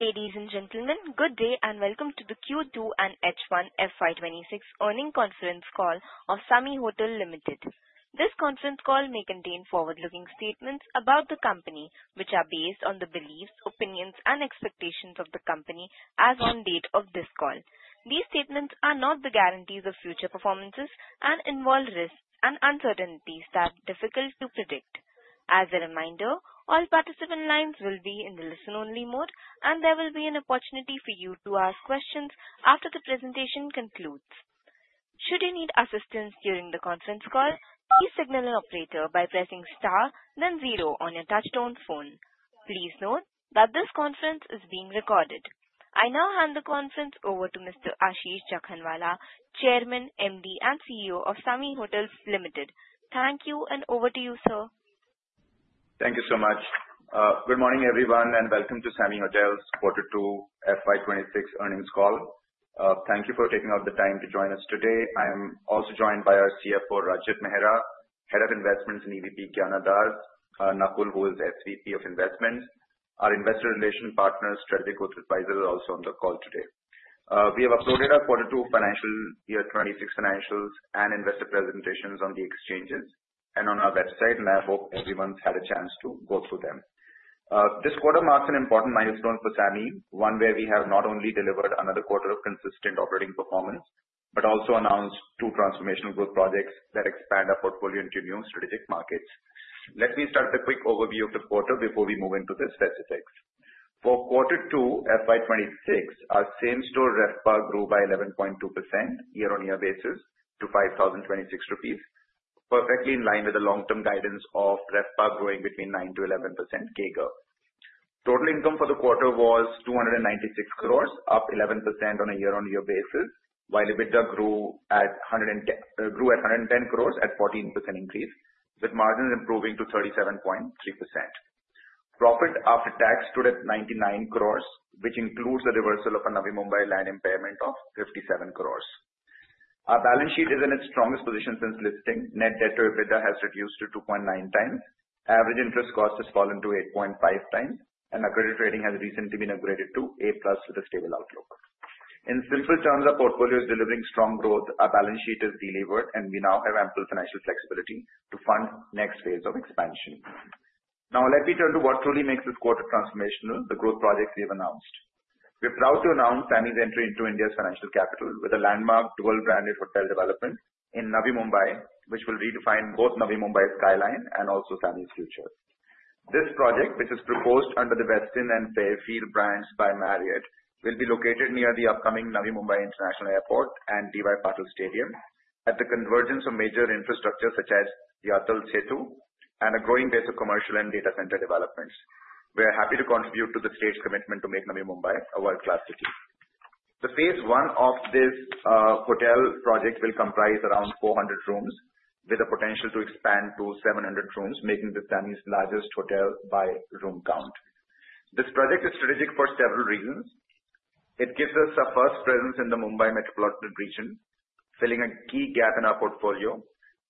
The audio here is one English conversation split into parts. Ladies and gentlemen, good day and welcome to the Q2 and H1 FY26 earnings conference call of SAMHI Hotels Limited. This conference call may contain forward-looking statements about the company, which are based on the beliefs, opinions, and expectations of the company as of the date of this call. These statements are not the guarantees of future performances and involve risks and uncertainties that are difficult to predict. As a reminder, all participant lines will be in the listen-only mode, and there will be an opportunity for you to ask questions after the presentation concludes. Should you need assistance during the conference call, please signal an operator by pressing star, then zero on your touch-tone phone. Please note that this conference is being recorded. I now hand the conference over to Mr. Ashish Jakhanwala, Chairman, MD, and CEO of SAMHI Hotels Limited. Thank you, and over to you, sir. Thank you so much. Good morning, everyone, and welcome to SAMHI Hotels' Q2 and H1 FY26 earnings call. Thank you for taking out the time to join us today. I am also joined by our CFO, Rajat Mehra, Head of Investments and EVP Gyana Das, and Nakul, who is SVP of Investments. Our Investor Relations Partner, Strategic Growth Advisors, is also on the call today. We have uploaded our Q2 financial year, 2026 financials, and investor presentations on the exchanges and on our website, and I hope everyone's had a chance to go through them. This quarter marks an important milestone for SAMHI, one where we have not only delivered another quarter of consistent operating performance but also announced two transformational growth projects that expand our portfolio into new strategic markets. Let me start with a quick overview of the quarter before we move into the specifics. For Q2 and H1 FY26, our same-store RevPAR grew by 11.2% year-on-year basis to 5,026 rupees, perfectly in line with the long-term guidance of RevPAR growing between 9% to 11% CAGR. Total income for the quarter was 296 crores, up 11% on a year-on-year basis, while EBITDA grew at 110 crores at a 14% increase, with margins improving to 37.3%. Profit after tax stood at 99 crores, which includes the reversal of a Navi Mumbai land impairment of 57 crores. Our balance sheet is in its strongest position since listing. Net debt to EBITDA has reduced to 2.9 times. Average interest cost has fallen to 8.5 times, and our credit rating has recently been upgraded to A+ with a stable outlook. In simple terms, our portfolio is delivering strong growth. Our balance sheet is delivered, and we now have ample financial flexibility to fund the next phase of expansion. Now, let me turn to what truly makes this quarter transformational: the growth projects we have announced. We are proud to announce SAMHI's entry into India's financial capital with a landmark dual-branded hotel development in Navi Mumbai, which will redefine both Navi Mumbai's skyline and also SAMHI's future. This project, which is proposed under the Westin and Fairfield brands by Marriott, will be located near the upcoming Navi Mumbai International Airport and D.Y. Patil Stadium at the convergence of major infrastructure such as the Atal Setu and a growing base of commercial and data center developments. We are happy to contribute to the state's commitment to make Navi Mumbai a world-class city. The phase one of this hotel project will comprise around 400 rooms, with a potential to expand to 700 rooms, making this SAMHI's largest hotel by room count. This project is strategic for several reasons. It gives us a first presence in the Mumbai metropolitan region, filling a key gap in our portfolio.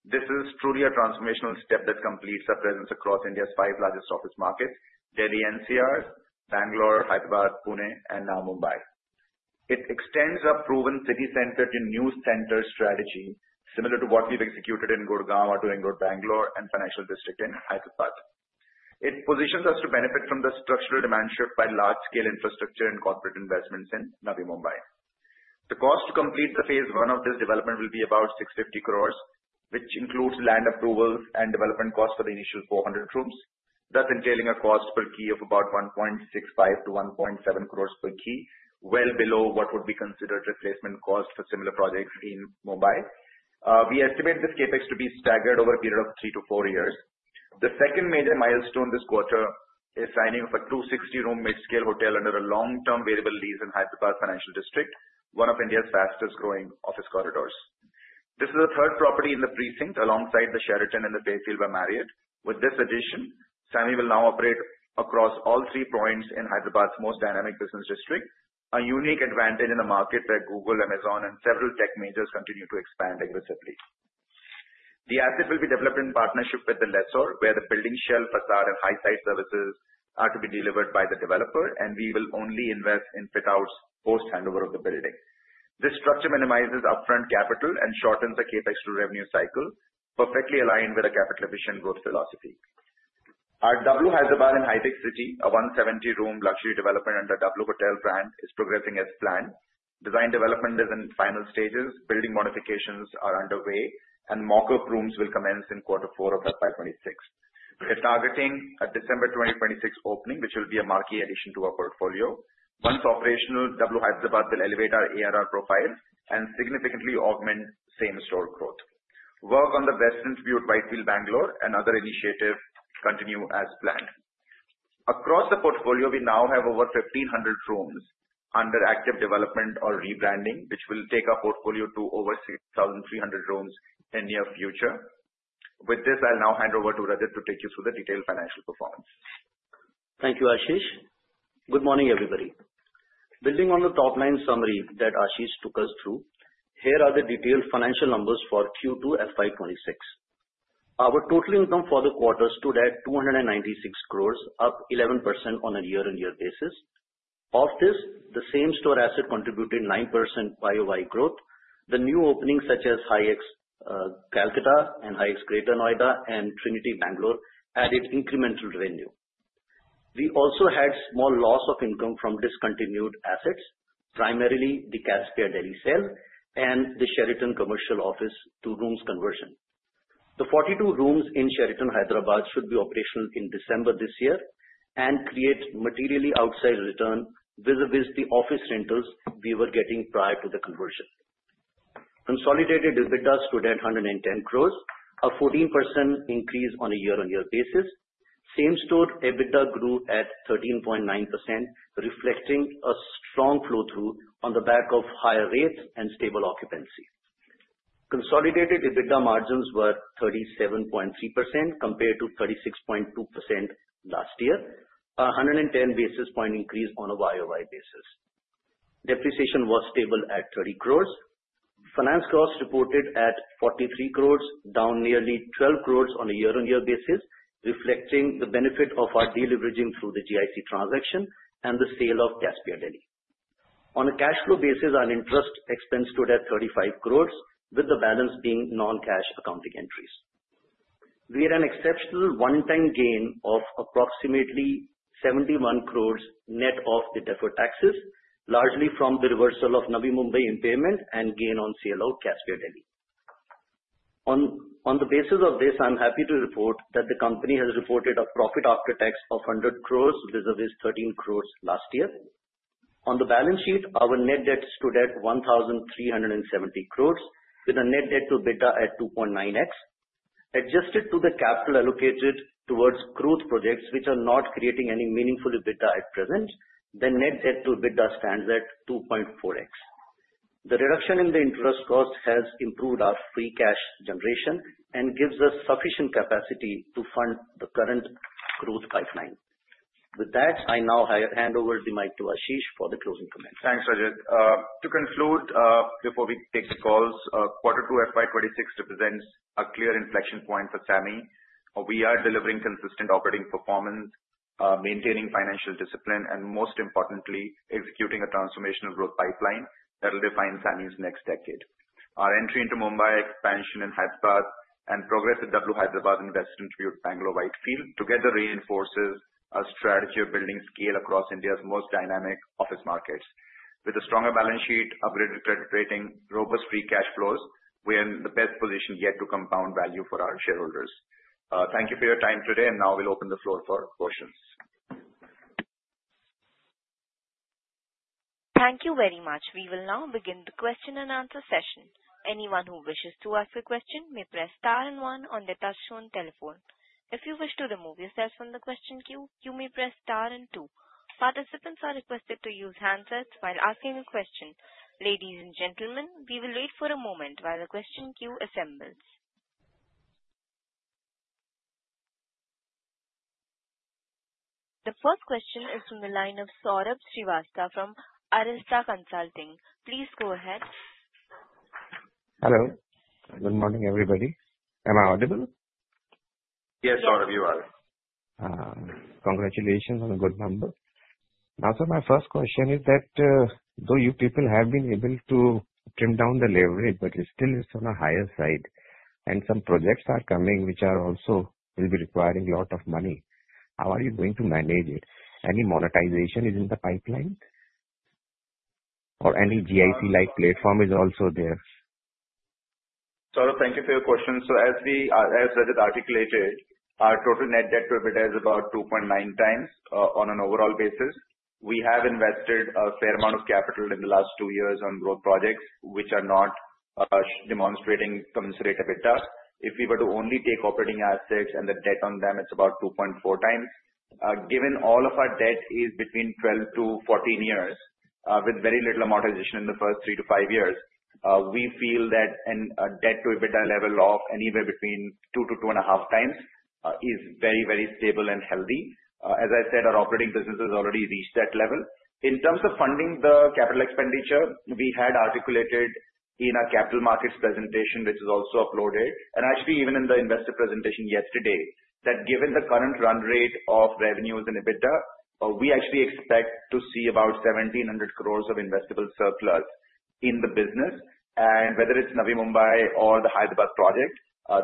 This is truly a transformational step that completes our presence across India's five largest office markets: Delhi NCR, Bangalore, Hyderabad, Pune, and now Mumbai. It extends our proven city-centered to new center strategy, similar to what we've executed in Gurgaon or to Whitefield Bangalore and Financial District in Hyderabad. It positions us to benefit from the structural demand shift by large-scale infrastructure and corporate investments in Navi Mumbai. The cost to complete the phase one of this development will be about 650 crores, which includes land approvals and development costs for the initial 400 rooms, thus entailing a cost per key of about 1.65-1.7 crores per key, well below what would be considered replacement cost for similar projects in Mumbai. We estimate this CapEx to be staggered over a period of three to four years. The second major milestone this quarter is signing of a 260-room mid-scale hotel under a long-term variable lease in Hyderabad Financial District, one of India's fastest-growing office corridors. This is the third property in the precinct alongside the Sheraton and the Fairfield by Marriott. With this addition, SAMHI will now operate across all three points in Hyderabad's most dynamic business district, a unique advantage in a market where Google, Amazon, and several tech majors continue to expand aggressively. The asset will be developed in partnership with the lessor, where the building shell, facade, and high-side services are to be delivered by the developer, and we will only invest in fit-outs post-handover of the building. This structure minimizes upfront capital and shortens the CapEx-to-revenue cycle, perfectly aligned with a capital-efficient growth philosophy. Our W Hyderabad and HITEC City, a 170-room luxury development under the W Hotel brand, is progressing as planned. Design development is in final stages. Building modifications are underway, and mock-up rooms will commence in Q4 of FY26. We are targeting a December 2026 opening, which will be a marquee addition to our portfolio. Once operational, W Hyderabad will elevate our ARR profile and significantly augment same-store growth. Work on the Westin Whitefield Bangalore and other initiatives continues as planned. Across the portfolio, we now have over 1,500 rooms under active development or rebranding, which will take our portfolio to over 6,300 rooms in the near future. With this, I'll now hand over to Rajat to take you through the detailed financial performance. Thank you, Ashish. Good morning, everybody. Building on the top-line summary that Ashish took us through, here are the detailed financial numbers for Q2 and FY26. Our total income for the quarter stood at 296 crores, up 11% on a year-on-year basis. Of this, the same-store assetholiday inn express kolkata, holiday inn express greater noida, and Tribute Bangalore, added incremental revenue. we also had small loss of income from discontinued assets, primarily the Caspia Delhi sale and the Sheraton commercial office-to-room conversion. The 42 rooms in Sheraton, Hyderabad, should be operational in December this year and create materially outsized return vis-à-vis the office rentals we were getting prior to the conversion. Consolidated EBITDA stood at 110 crores, a 14% increase on a year-on-year basis. Same-store EBITDA grew at 13.9%, reflecting a strong flow-through on the back of higher rates and stable occupancy. Consolidated EBITDA margins were 37.3% compared to 36.2% last year, a 110 basis point increase on a YOY basis. Depreciation was stable at ₹30 crores. Finance costs reported at ₹43 crores, down nearly ₹12 crores on a year-on-year basis, reflecting the benefit of our de-leveraging through the GIC transaction and the sale of Caspia Delhi. On a cash flow basis, our interest expense stood at ₹35 crores, with the balance being non-cash accounting entries. We had an exceptional one-time gain of approximately ₹71 crores net of the deferred taxes, largely from the reversal of Navi Mumbai impairment and gain on sale of Caspia Delhi. On the basis of this, I'm happy to report that the company has reported a profit after tax of ₹100 crores vis-à-vis ₹13 crores last year. On the balance sheet, our net debt stood at ₹1,370 crores, with a net debt-to-EBITDA at 2.9x. Adjusted to the capital allocated towards growth projects, which are not creating any meaningful EBITDA at present, the net debt-to-EBITDA stands at 2.4x. The reduction in the interest cost has improved our free cash generation and gives us sufficient capacity to fund the current growth pipeline. With that, I now hand over the mic to Ashish for the closing comments. Thanks, Rajat. To conclude, before we take the calls, Q2 and FY26 represent a clear inflection point for SAMHI. We are delivering consistent operating performance, maintaining financial discipline, and most importantly, executing a transformational growth pipeline that will define SAMHI's next decade. Our entry into Mumbai, expansion in Hyderabad and progress at W Hyderabad and Westin, right by Whitefield together reinforces our strategy of building scale across India's most dynamic office markets. With a stronger balance sheet, upgraded credit rating, and robust free cash flows, we are in the best position yet to compound value for our shareholders. Thank you for your time today, and now we'll open the floor for questions. Thank you very much. We will now begin the question and answer session. Anyone who wishes to ask a question may press star and one on the touchscreen telephone. If you wish to remove yourself from the question queue, you may press star and two. Participants are requested to use handsets while asking a question. Ladies and gentlemen, we will wait for a moment while the question queue assembles. The first question is from the line of Saurabh Srivastava from Arista Consulting. Please go ahead. Hello. Good morning, everybody. Am I audible? Yes, Saurabh, you are. Congratulations on a good number. Now, sir, my first question is that though you people have been able to trim down the leverage, it still is on the higher side, and some projects are coming which will be requiring a lot of money. How are you going to manage it? Any monetization is in the pipeline? Or any GIC-like platform is also there? Saurabh, thank you for your question. So, as Rajat articulated, our total net debt to EBITDA is about 2.9 times on an overall basis. We have invested a fair amount of capital in the last two years on growth projects which are not demonstrating commensurate EBITDA. If we were to only take operating assets and the debt on them, it's about 2.4 times. Given all of our debt is between 12-14 years with very little amortization in the first 3-5 years, we feel that a debt-to-EBITDA level of anywhere between 2-2.5 times is very, very stable and healthy. As I said, our operating business has already reached that level. In terms of funding the capital expenditure, we had articulated in our capital markets presentation, which is also uploaded, and actually even in the investor presentation yesterday, that given the current run rate of revenues in EBITDA, we actually expect to see about ₹1,700 crores of investable surplus in the business, and whether it's Navi Mumbai or the Hyderabad project,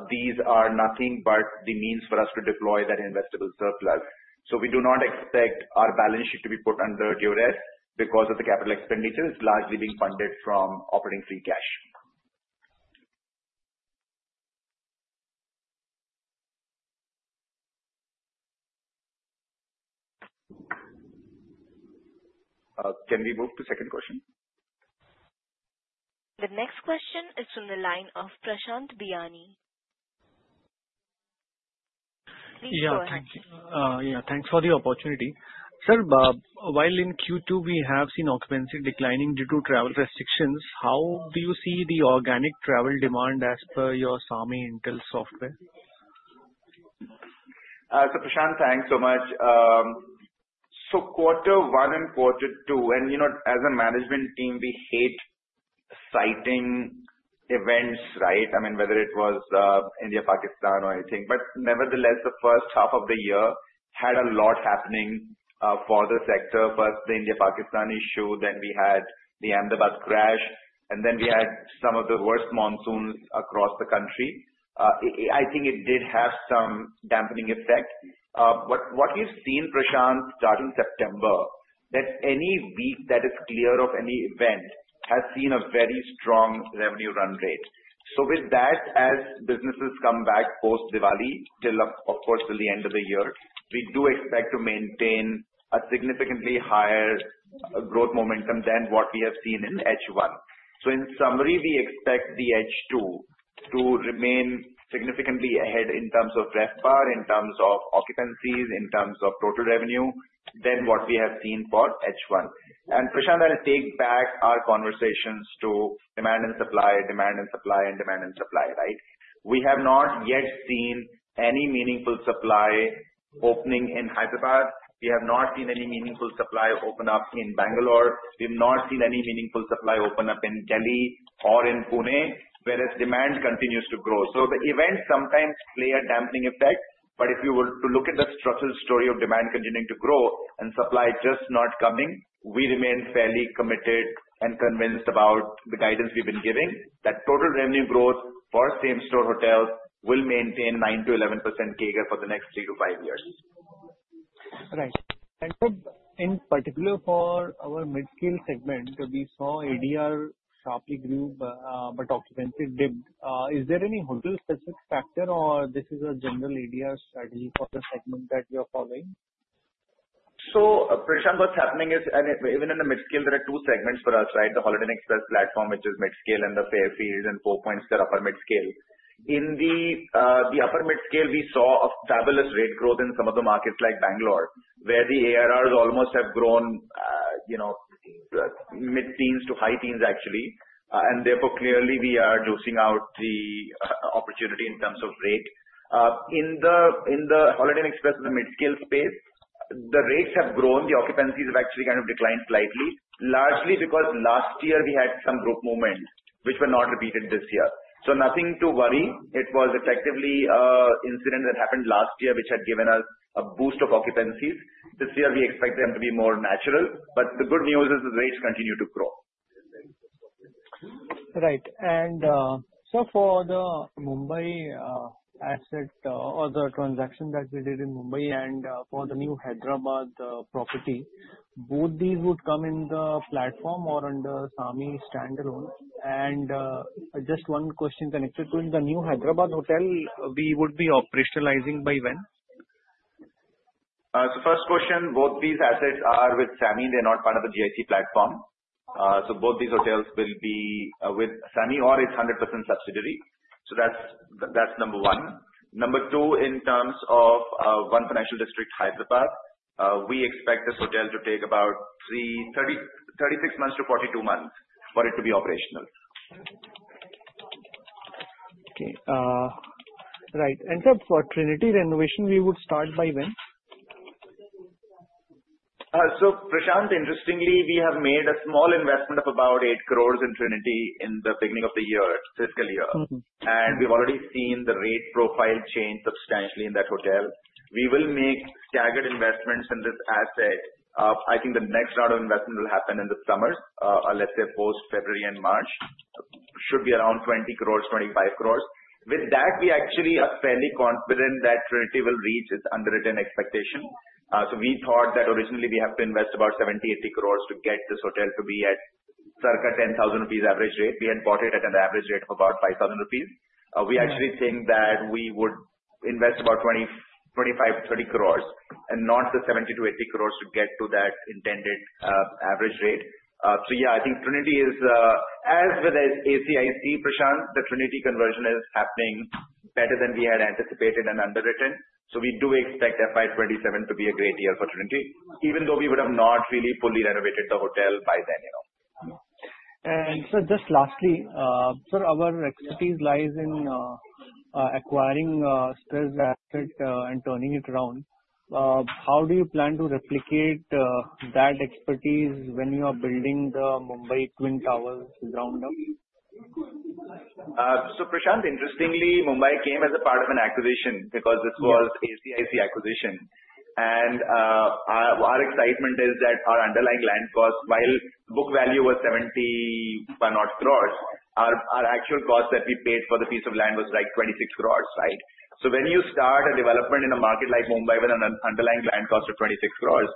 these are nothing but the means for us to deploy that investable surplus, so we do not expect our balance sheet to be put under duress because of the capital expenditure. It's largely being funded from operating free cash. Can we move to the second question? The next question is from the line of Prashanth Biyani. Please go ahead. Yeah, thanks. Yeah, thanks for the opportunity. Sir, while in Q2, we have seen occupancy declining due to travel restrictions, how do you see the organic travel demand as per your SAMHI Intel software? So, Prashanth, thanks so much. So, Q1 and Q2, and as a management team, we hate citing events, right? I mean, whether it was India-Pakistan or anything. But nevertheless, the first half of the year had a lot happening for the sector. First, the India-Pakistan issue, then we had the Ahmedabad crash, and then we had some of the worst monsoons across the country. I think it did have some dampening effect. But what we've seen, Prashanth, starting September, that any week that is clear of any event has seen a very strong revenue run rate. So, with that, as businesses come back post-Diwali, till, of course, the end of the year, we do expect to maintain a significantly higher growth momentum than what we have seen in H1. So, in summary, we expect the H2 to remain significantly ahead in terms of RevPAR, in terms of occupancies, in terms of total revenue, than what we have seen for H1. And, Prashanth, I'll take back our conversations to demand and supply, demand and supply, and demand and supply, right? We have not yet seen any meaningful supply opening in Hyderabad. We have not seen any meaningful supply open up in Bangalore. We have not seen any meaningful supply open up in Delhi or in Pune, whereas demand continues to grow. So, the events sometimes play a dampening effect. But if you were to look at the structural story of demand continuing to grow and supply just not coming, we remain fairly committed and convinced about the guidance we've been giving that total revenue growth for same-store hotels will maintain 9%-11% CAGR for the next three to five years. Right. And in particular for our mid-scale segment, we saw ADR sharply grew, but occupancy dipped. Is there any hotel-specific factor, or this is a general ADR strategy for the segment that you're following? Prashanth, what's happening is, and even in the mid-scale, there are two segments for us, right? The Holiday Inn Express platform, which is mid-scale, and the Fairfield and Four Points that are upper mid-scale. In the upper mid-scale, we saw a fabulous rate growth in some of the markets like Bangalore, where the ARRs almost have grown mid-teens to high-teens, actually. And therefore, clearly, we are juicing out the opportunity in terms of rate. In the Holiday Inn Express, the mid-scale space, the rates have grown. The occupancies have actually kind of declined slightly, largely because last year we had some growth moments, which were not repeated this year. Nothing to worry. It was effectively an incident that happened last year, which had given us a boost of occupancies. This year, we expect them to be more natural. But the good news is the rates continue to grow. Right. And so, for the Mumbai asset or the transaction that we did in Mumbai and for the new Hyderabad property, would these come in the platform or under SAMHI standalone? And just one question connected to the new Hyderabad hotel, we would be operationalizing by when? First question, both these assets are with SAMHI. They're not part of the GIC platform. Both these hotels will be with SAMHI or its 100% subsidiary. That's number one. Number two, in terms of Hyderabad Financial District, we expect this hotel to take about 36-42 months for it to be operational. Okay. Right. And sir, for Tribute renovation, we would start by when? So, Prashanth, interestingly, we have made a small investment of about ₹8 crores in Tribute in the beginning of the year, fiscal year, and we've already seen the rate profile change substantially in that hotel. We will make staggered investments in this asset. I think the next round of investment will happen in the summer, let's say post-February and March. It should be around ₹20-₹25 crores. With that, we actually are fairly confident that Tribute will reach its underwritten expectation. So, we thought that originally we have to invest about ₹70-₹80 crores to get this hotel to be at circa ₹10,000 average rate. We had bought it at an average rate of about ₹5,000. We actually think that we would invest about ₹25-₹30 crores and not the ₹70 to ₹80 crores to get to that intended average rate. So, yeah, I think Tribute is, as with ACIC, Prashanth, the Tribute conversion is happening better than we had anticipated and underwritten, so we do expect FY27 to be a great year for Tribute, even though we would have not really fully renovated the hotel by then. Sir, just lastly, sir, our expertise lies in acquiring stressed asset and turning it around. How do you plan to replicate that expertise when you are building the Mumbai Twin Towers ground up? So, Prashanth, interestingly, Mumbai came as a part of an acquisition because this was ACIC acquisition. And our excitement is that our underlying land cost, while book value was 75 crores, our actual cost that we paid for the piece of land was like 26 crores, right? So, when you start a development in a market like Mumbai with an underlying land cost of 26 crores,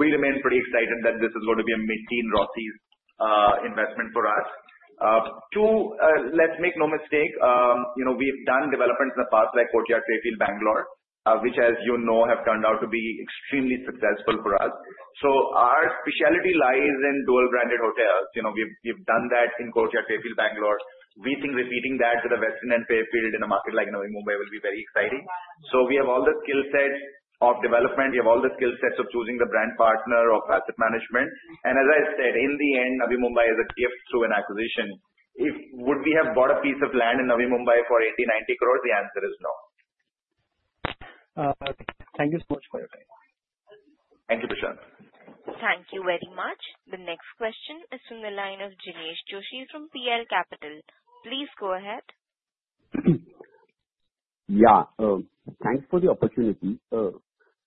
we remain pretty excited that this is going to be a mid-teen, ROCE investment for us. Two, let's make no mistake, we've done developments in the past like Courtyard Fairfield, Bangalore, which, as you know, have turned out to be extremely successful for us. So, our specialty lies in dual-branded hotels. We've done that in Courtyard Fairfield, Bangalore. We think repeating that with a Westin and Fairfield in a market like Navi Mumbai will be very exciting. So, we have all the skill sets of development. We have all the skill sets of choosing the brand partner or asset management. And as I said, in the end, Navi Mumbai is a gift through an acquisition. Would we have bought a piece of land in Navi Mumbai for 80, 90 crores? The answer is no. Thank you so much for your time. Thank you, Prashanth. Thank you very much. The next question is from the line of Jinesh Joshi from PL Capital. Please go ahead. Yeah. Thanks for the opportunity.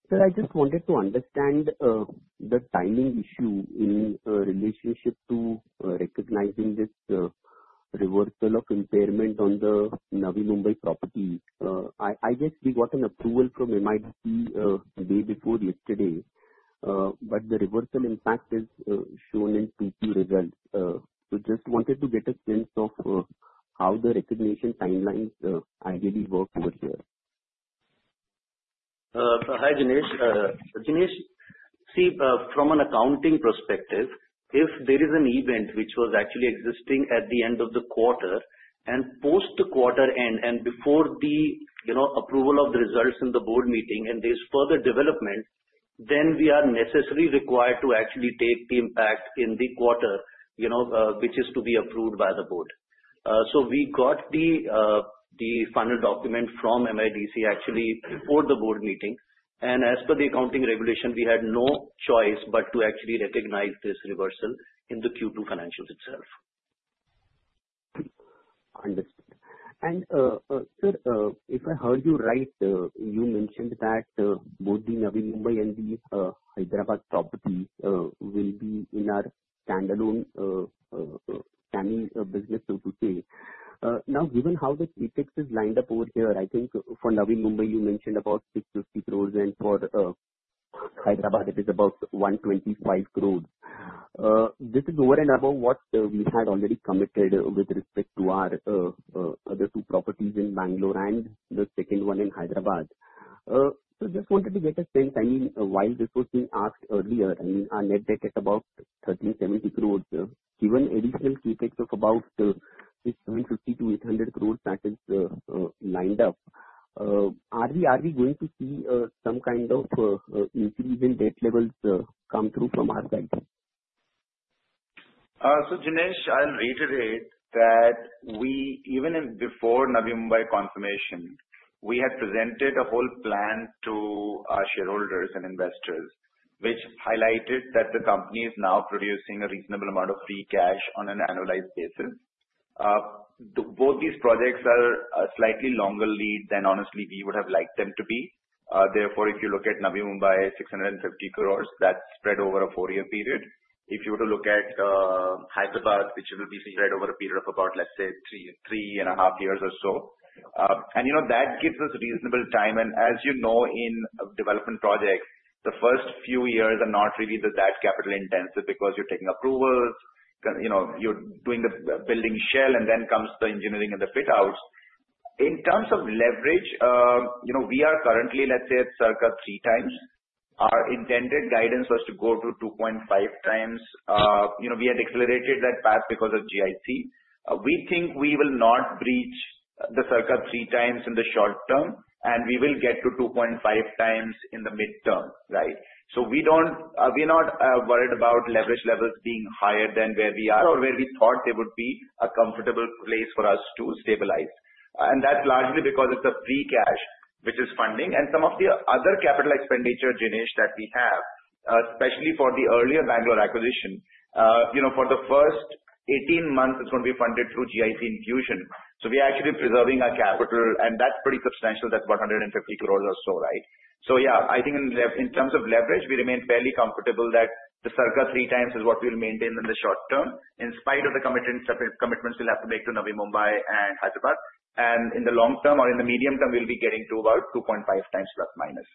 Sir, I just wanted to understand the timing issue in relationship to recognizing this reversal of impairment on the Navi Mumbai property. I guess we got an approval from MIDC a day before yesterday, but the reversal impact is shown in Q2 results. So, just wanted to get a sense of how the recognition timelines ideally work over here. So, hi Dinesh. Dinesh, see, from an accounting perspective, if there is an event which was actually existing at the end of the quarter and post-quarter end and before the approval of the results in the board meeting and there's further development, then we are necessarily required to actually take the impact in the quarter which is to be approved by the board. So, we got the final document from MIDC actually for the board meeting. And as per the accounting regulation, we had no choice but to actually recognize this reversal in the Q2 financials itself. Understood. And sir, if I heard you right, you mentioned that both the Navi Mumbai and the Hyderabad property will be in our standalone SAMHI business, so to say. Now, given how the capex is lined up over here, I think for Navi Mumbai, you mentioned about 650 crores, and for Hyderabad, it is about 125 crores. This is more and above what we had already committed with respect to our other two properties in Bangalore and the second one in Hyderabad. So, just wanted to get a sense, I mean, our net debt at about INR 1,370 crores, given additional capex of about 750-800 crores that is lined up, are we going to see some kind of increase in debt levels come through from our side? Dinesh, I'll reiterate that we, even before Navi Mumbai confirmation, we had presented a whole plan to our shareholders and investors, which highlighted that the company is now producing a reasonable amount of free cash on an annualized basis. Both these projects are a slightly longer lead than, honestly, we would have liked them to be. Therefore, if you look at Navi Mumbai, 650 crores, that's spread over a four-year period. If you were to look at Hyderabad, which will be spread over a period of about, let's say, three and a half years or so. That gives us reasonable time. As you know, in development projects, the first few years are not really that capital-intensive because you're taking approvals, you're doing the building shell, and then comes the engineering and the fit-out. In terms of leverage, we are currently, let's say, at circa three times. Our intended guidance was to go to 2.5 times. We had accelerated that path because of GIC. We think we will not breach the circa three times in the short term, and we will get to 2.5 times in the mid-term, right? So, we're not worried about leverage levels being higher than where we are or where we thought they would be a comfortable place for us to stabilize. And that's largely because it's a free cash, which is funding. And some of the other capital expenditure, Dinesh, that we have, especially for the earlier Bangalore acquisition, for the first 18 months, it's going to be funded through GIC infusion. So, we're actually preserving our capital, and that's pretty substantial. That's 150 crores or so, right? So, yeah, I think in terms of leverage, we remain fairly comfortable that the circa three times is what we'll maintain in the short term, in spite of the commitments we'll have to make to Navi Mumbai and Hyderabad. And in the long term or in the medium term, we'll be getting to about 2.5 times plus-minus.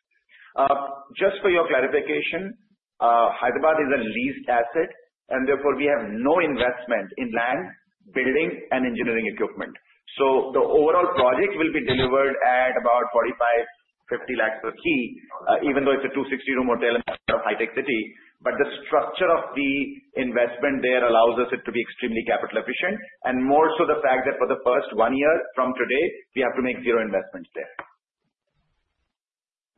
Just for your clarification, Hyderabad is a leased asset, and therefore we have no investment in land, building, and engineering equipment. So, the overall project will be delivered at about 45-50 lakh per key, even though it's a 260-room hotel in the heart of HITEC City. But the structure of the investment there allows it to be extremely capital-efficient. And more so the fact that for the first one year from today, we have to make zero investments there.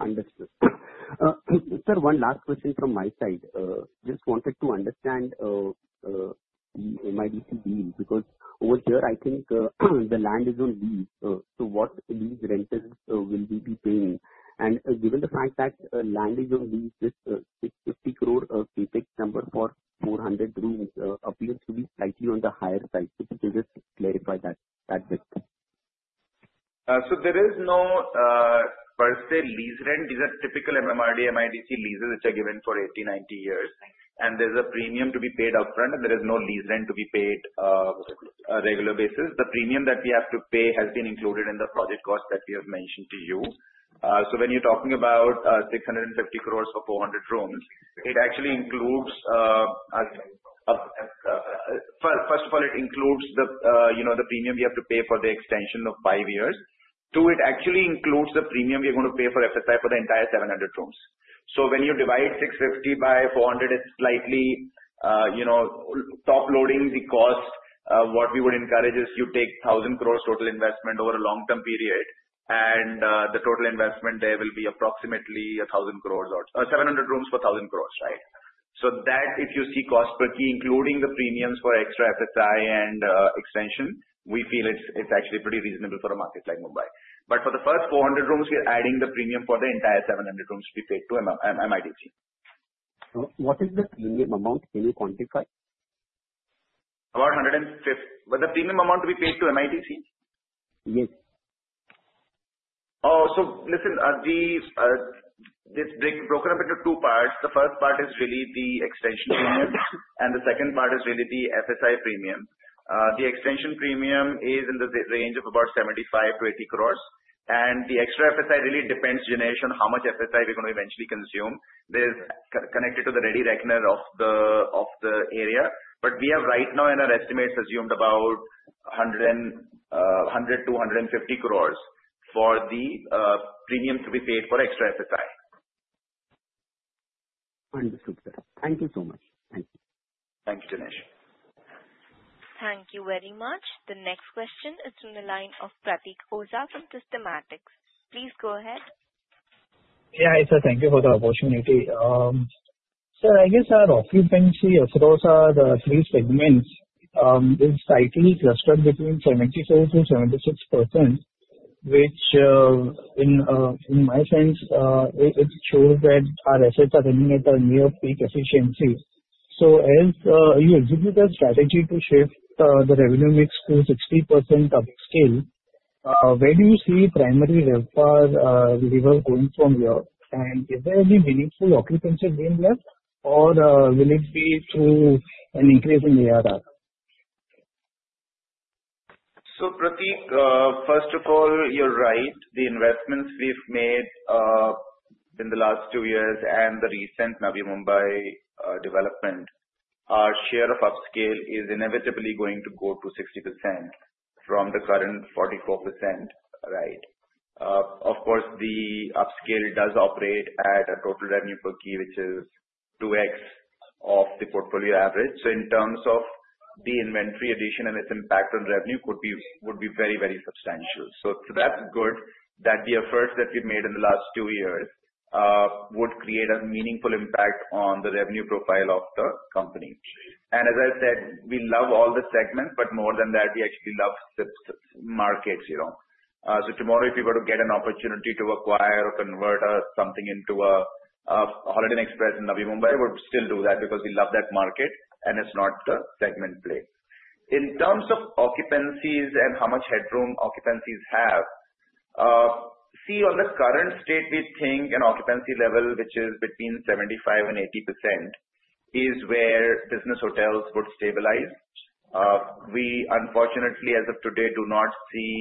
Understood. Sir, one last question from my side. Just wanted to understand MIDC deal because over here, I think the land is on lease. So, what lease rent will we be paying? And given the fact that land is on lease, this 650 crore Capex number for 400 rooms appears to be slightly on the higher side. Could you just clarify that a bit? So, there is no per se lease rent. These are typical MMRDA, MIDC leases which are given for 80-90 years. And there's a premium to be paid upfront, and there is no lease rent to be paid on a regular basis. The premium that we have to pay has been included in the project cost that we have mentioned to you. So, when you're talking about 650 crores for 400 rooms, it actually includes first of all, it includes the premium we have to pay for the extension of five years. Two, it actually includes the premium we're going to pay for FSI for the entire 700 rooms. So, when you divide 650 by 400, it's slightly top-loading the cost. What we would encourage is you take 1,000 crores total investment over a long-term period, and the total investment there will be approximately 1,000 crores or 700 rooms for 1,000 crores, right? So, that, if you see cost per key, including the premiums for extra FSI and extension, we feel it's actually pretty reasonable for a market like Mumbai. But for the first 400 rooms, we're adding the premium for the entire 700 rooms to be paid to MIDC. What is the premium amount? Can you quantify? About 150. Was the premium amount to be paid to MIDC? Yes. Oh, so listen, it's broken up into two parts. The first part is really the extension premium, and the second part is really the FSI premium. The extension premium is in the range of about 75-80 crores, and the extra FSI really depends, Dinesh, on how much FSI we're going to eventually consume. It's connected to the ready reckoner of the area, but we have right now in our estimates assumed about 100-150 crores for the premium to be paid for extra FSI. Understood, sir. Thank you so much. Thank you. Thank you, Dinesh. Thank you very much. The next question is from the line of Pratik Oza from Systematix. Please go ahead. Yeah, I said thank you for the opportunity. Sir, I guess our occupancy across our three segments is slightly clustered between 75%-76%, which in my sense, it shows that our assets are running at a near-peak efficiency. So, as you execute a strategy to shift the revenue mix to 60% upscale, where do you see primary revenue level going from here? And is there any meaningful occupancy gain there, or will it be through an increase in ARR? So, Pratik, first of all, you're right. The investments we've made in the last two years and the recent Navi Mumbai development, our share of upscale is inevitably going to go to 60% from the current 44%, right? Of course, the upscale does operate at a total revenue per key, which is 2x of the portfolio average. So, in terms of the inventory addition and its impact on revenue would be very, very substantial. So, that's good that the efforts that we've made in the last two years would create a meaningful impact on the revenue profile of the company. And as I said, we love all the segments, but more than that, we actually love markets. So, tomorrow, if we were to get an opportunity to acquire or convert something into a Holiday Inn Express in Navi Mumbai, we would still do that because we love that market, and it's not the segment play. In terms of occupancies and how much headroom occupancies have, see, on the current state, we think an occupancy level, which is between 75% and 80%, is where business hotels would stabilize. We, unfortunately, as of today, do not see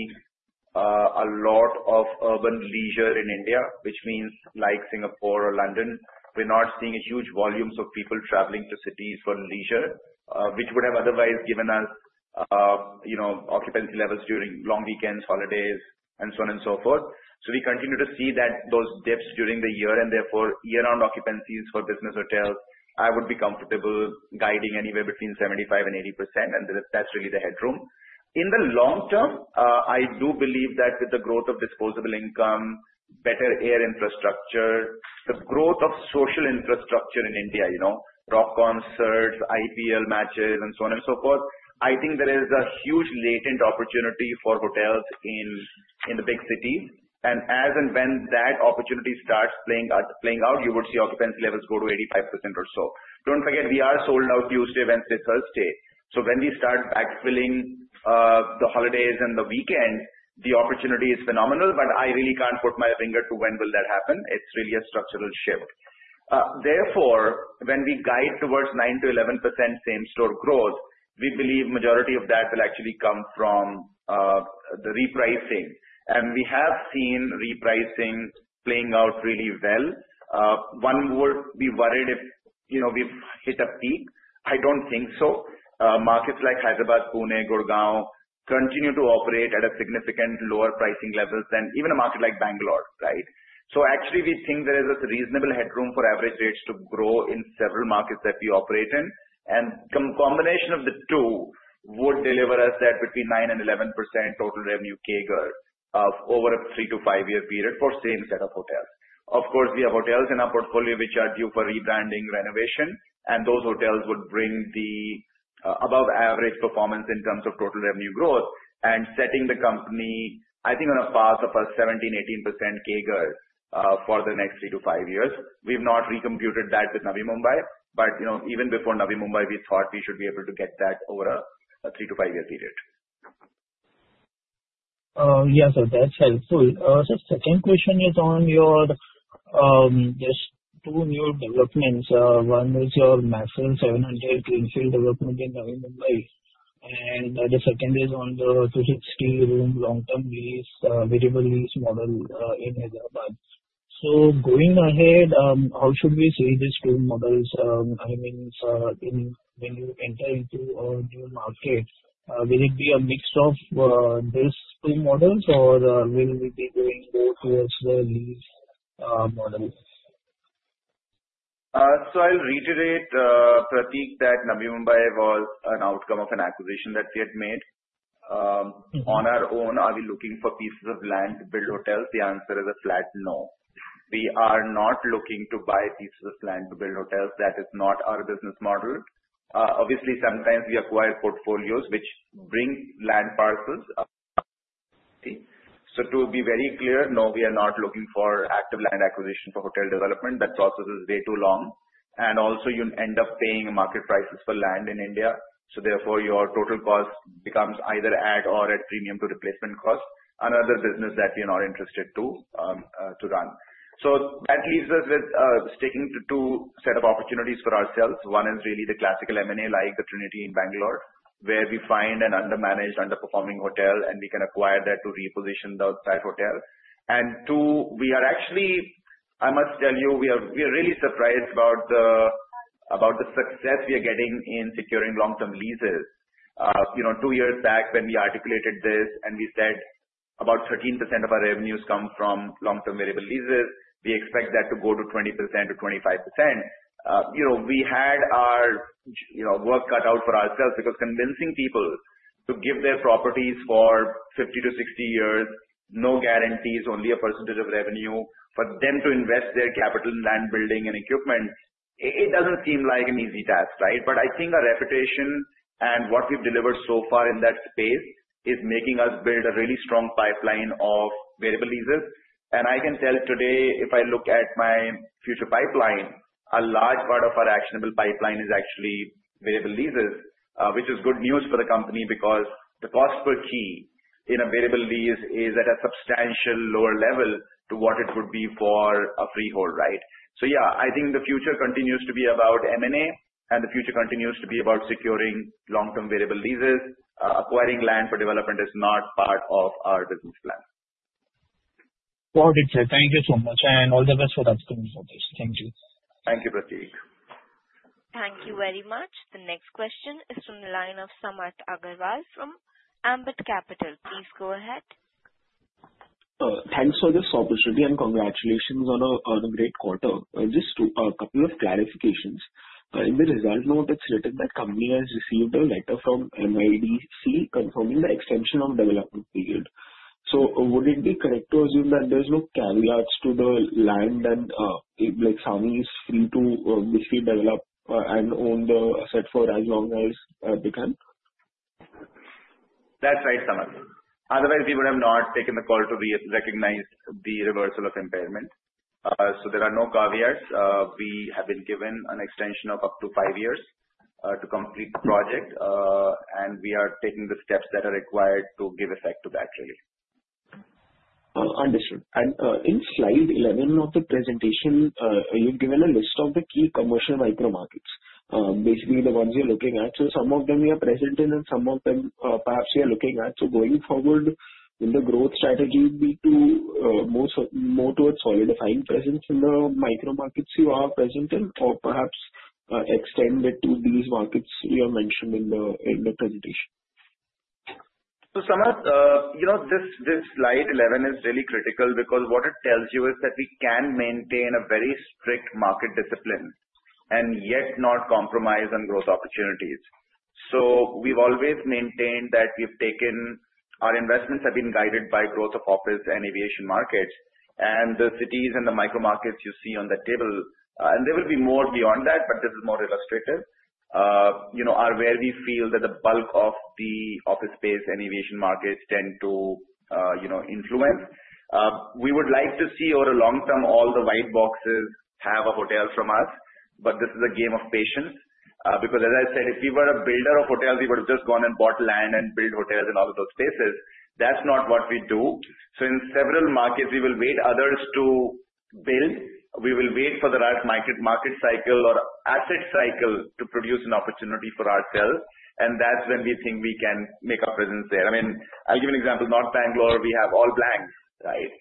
a lot of urban leisure in India, which means like Singapore or London, we're not seeing huge volumes of people traveling to cities for leisure, which would have otherwise given us occupancy levels during long weekends, holidays, and so on and so forth. So, we continue to see those dips during the year, and therefore, year-round occupancies for business hotels, I would be comfortable guiding anywhere between 75% and 80%, and that's really the headroom. In the long term, I do believe that with the growth of disposable income, better air infrastructure, the growth of social infrastructure in India, rock concerts, IPL matches, and so on and so forth, I think there is a huge latent opportunity for hotels in the big cities, and as and when that opportunity starts playing out, you would see occupancy levels go to 85% or so. Don't forget, we are sold out Tuesday, Wednesday, Thursday, so when we start backfilling the holidays and the weekend, the opportunity is phenomenal, but I really can't put my finger to when will that happen. It's really a structural shift. Therefore, when we guide towards 9%-11% same-store growth, we believe majority of that will actually come from the repricing. And we have seen repricing playing out really well. One would be worried if we've hit a peak. I don't think so. Markets like Hyderabad, Pune, Gurgaon continue to operate at a significant lower pricing level than even a market like Bangalore, right? So, actually, we think there is a reasonable headroom for average rates to grow in several markets that we operate in. And combination of the two would deliver us that between 9% and 11% total revenue CAGR over a three to five-year period for same set of hotels. Of course, we have hotels in our portfolio which are due for rebranding, renovation, and those hotels would bring the above-average performance in terms of total revenue growth and setting the company, I think, on a path of a 17%-18% CAGR for the next three to five years. We've not recomputed that with Navi Mumbai, but even before Navi Mumbai, we thought we should be able to get that over a three to five-year period. Yes, sir, that's helpful. Sir, second question is on your two new developments. One is your massive 700 greenfield development in Navi Mumbai, and the second is on the 260 room long-term lease, variable lease model in Hyderabad. So, going ahead, how should we see these two models? I mean, when you enter into a new market, will it be a mix of these two models, or will we be going more towards the lease model? So, I'll reiterate, Pratik, that Navi Mumbai was an outcome of an acquisition that we had made. On our own, are we looking for pieces of land to build hotels? The answer is a flat no. We are not looking to buy pieces of land to build hotels. That is not our business model. Obviously, sometimes we acquire portfolios which bring land parcels. So, to be very clear, no, we are not looking for active land acquisition for hotel development. That process is way too long. And also, you end up paying market prices for land in India. So, therefore, your total cost becomes either at or at premium to replacement cost, another business that we are not interested to run. So, that leaves us with sticking to two sets of opportunities for ourselves. One is really the classical M&A like the Tribute in Bangalore, where we find an under-managed, under-performing hotel, and we can acquire that to reposition the upside hotel, and two, we are actually, I must tell you, we are really surprised about the success we are getting in securing long-term leases. Two years back, when we articulated this and we said about 13% of our revenues come from long-term variable leases, we expect that to go to 20%-25%. We had our work cut out for ourselves because convincing people to give their properties for 50-60 years, no guarantees, only a percentage of revenue for them to invest their capital in land, building, and equipment. It doesn't seem like an easy task, right? But I think our reputation and what we've delivered so far in that space is making us build a really strong pipeline of variable leases. And I can tell today, if I look at my future pipeline, a large part of our actionable pipeline is actually variable leases, which is good news for the company because the cost per key in a variable lease is at a substantial lower level to what it would be for a freehold, right? So, yeah, I think the future continues to be about M&A, and the future continues to be about securing long-term variable leases. Acquiring land for development is not part of our business plan. Got it, sir. Thank you so much, and all the best for the upcoming projects. Thank you. Thank you, Pratik. Thank you very much. The next question is from the line of Samarth Agrawal from Ambit Capital. Please go ahead. Thanks for this opportunity and congratulations on a great quarter. Just a couple of clarifications. In the result note, it's written that the company has received a letter from MIDC confirming the extension of development period. So, would it be correct to assume that there's no caveats to the land and SAMHI is free to obviously develop and own the site for as long as they can? That's right, Samarth. Otherwise, we would have not taken the call to recognize the reversal of impairment. So, there are no caveats. We have been given an extension of up to five years to complete the project, and we are taking the steps that are required to give effect to that, really. Understood. And in slide 11 of the presentation, you've given a list of the key commercial micro markets, basically the ones you're looking at. So, some of them you are present in, and some of them perhaps you are looking at. So, going forward, the growth strategy would be to move more towards solidifying presence in the micro markets you are present in or perhaps extend it to these markets you have mentioned in the presentation. So, Samarth, this slide 11 is really critical because what it tells you is that we can maintain a very strict market discipline and yet not compromise on growth opportunities. So, we've always maintained that our investments have been guided by growth of office and aviation markets. And the cities and the micro markets you see on the table, and there will be more beyond that, but this is more illustrative, are where we feel that the bulk of the office space and aviation markets tend to influence. We would like to see over the long term all the white boxes have a hotel from us, but this is a game of patience. Because, as I said, if we were a builder of hotels, we would have just gone and bought land and built hotels in all of those places. That's not what we do. So, in several markets, we will wait for others to build. We will wait for the right market cycle or asset cycle to produce an opportunity for ourselves, and that's when we think we can make our presence there. I mean, I'll give you an example. North Bangalore, we have all blanks, right?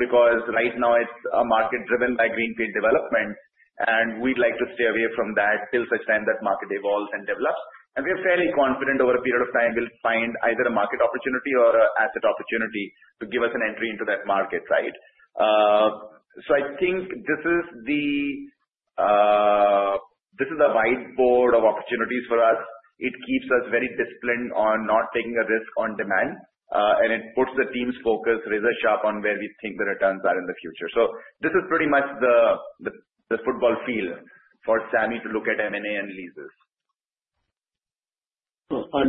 Because right now, it's a market driven by greenfield development, and we'd like to stay away from that till such time that market evolves and develops. And we are fairly confident over a period of time we'll find either a market opportunity or an asset opportunity to give us an entry into that market, right? So, I think this is a whiteboard of opportunities for us. It keeps us very disciplined on not taking a risk on demand, and it puts the team's focus, razor sharp, on where we think the returns are in the future. So, this is pretty much the football field for SAMHI to look at M&A and leases.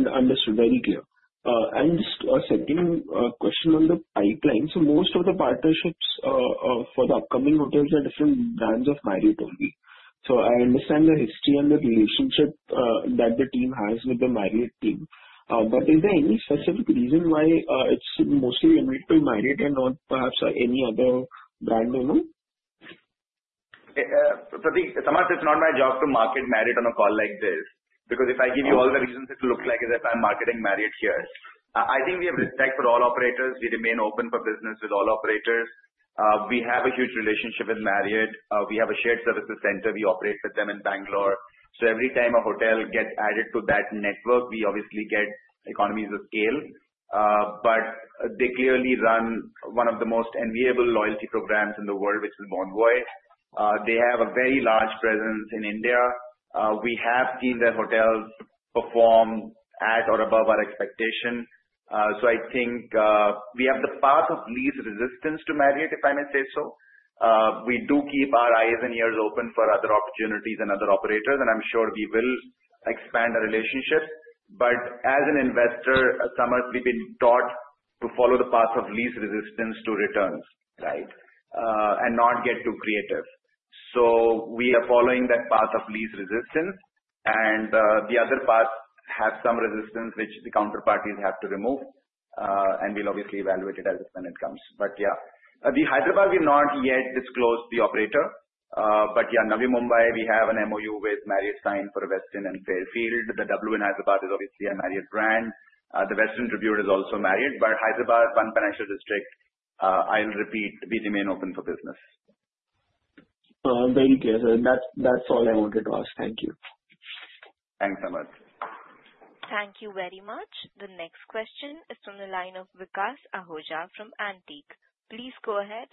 Understood. Very clear. And just a second question on the pipeline. So, most of the partnerships for the upcoming hotels are different brands of Marriott only. So, I understand the history and the relationship that the team has with the Marriott team. But is there any specific reason why it's mostly limited to Marriott and not perhaps any other brand only? Pratik, Samarth, it's not my job to market Marriott on a call like this because if I give you all the reasons it looks like as if I'm marketing Marriott here. I think we have respect for all operators. We remain open for business with all operators. We have a huge relationship with Marriott. We have a shared services center. We operate with them in Bangalore. So, every time a hotel gets added to that network, we obviously get economies of scale. But they clearly run one of the most enviable loyalty programs in the world, which is Bonvoy. They have a very large presence in India. We have seen their hotels perform at or above our expectation. So, I think we have the path of least resistance to Marriott, if I may say so. We do keep our eyes and ears open for other opportunities and other operators, and I'm sure we will expand our relationship. But as an investor, Samarth, we've been taught to follow the path of lease resistance to returns, right, and not get too creative. So, we are following that path of lease resistance, and the other path has some resistance which the counterparties have to remove, and we'll obviously evaluate it as and when it comes. But yeah, the Hyderabad, we've not yet disclosed the operator. But yeah, Navi Mumbai, we have an MOU with Marriott signed for Westin and Fairfield. The W in Hyderabad is obviously a Marriott brand. The Westin, Tribute is also Marriott. But Hyderabad Financial District, I'll repeat, we remain open for business. Very clear. Sir, that's all I wanted to ask. Thank you. Thanks, Samarth. Thank you very much. The next question is from the line of Vikas Ahuja from Antique. Please go ahead.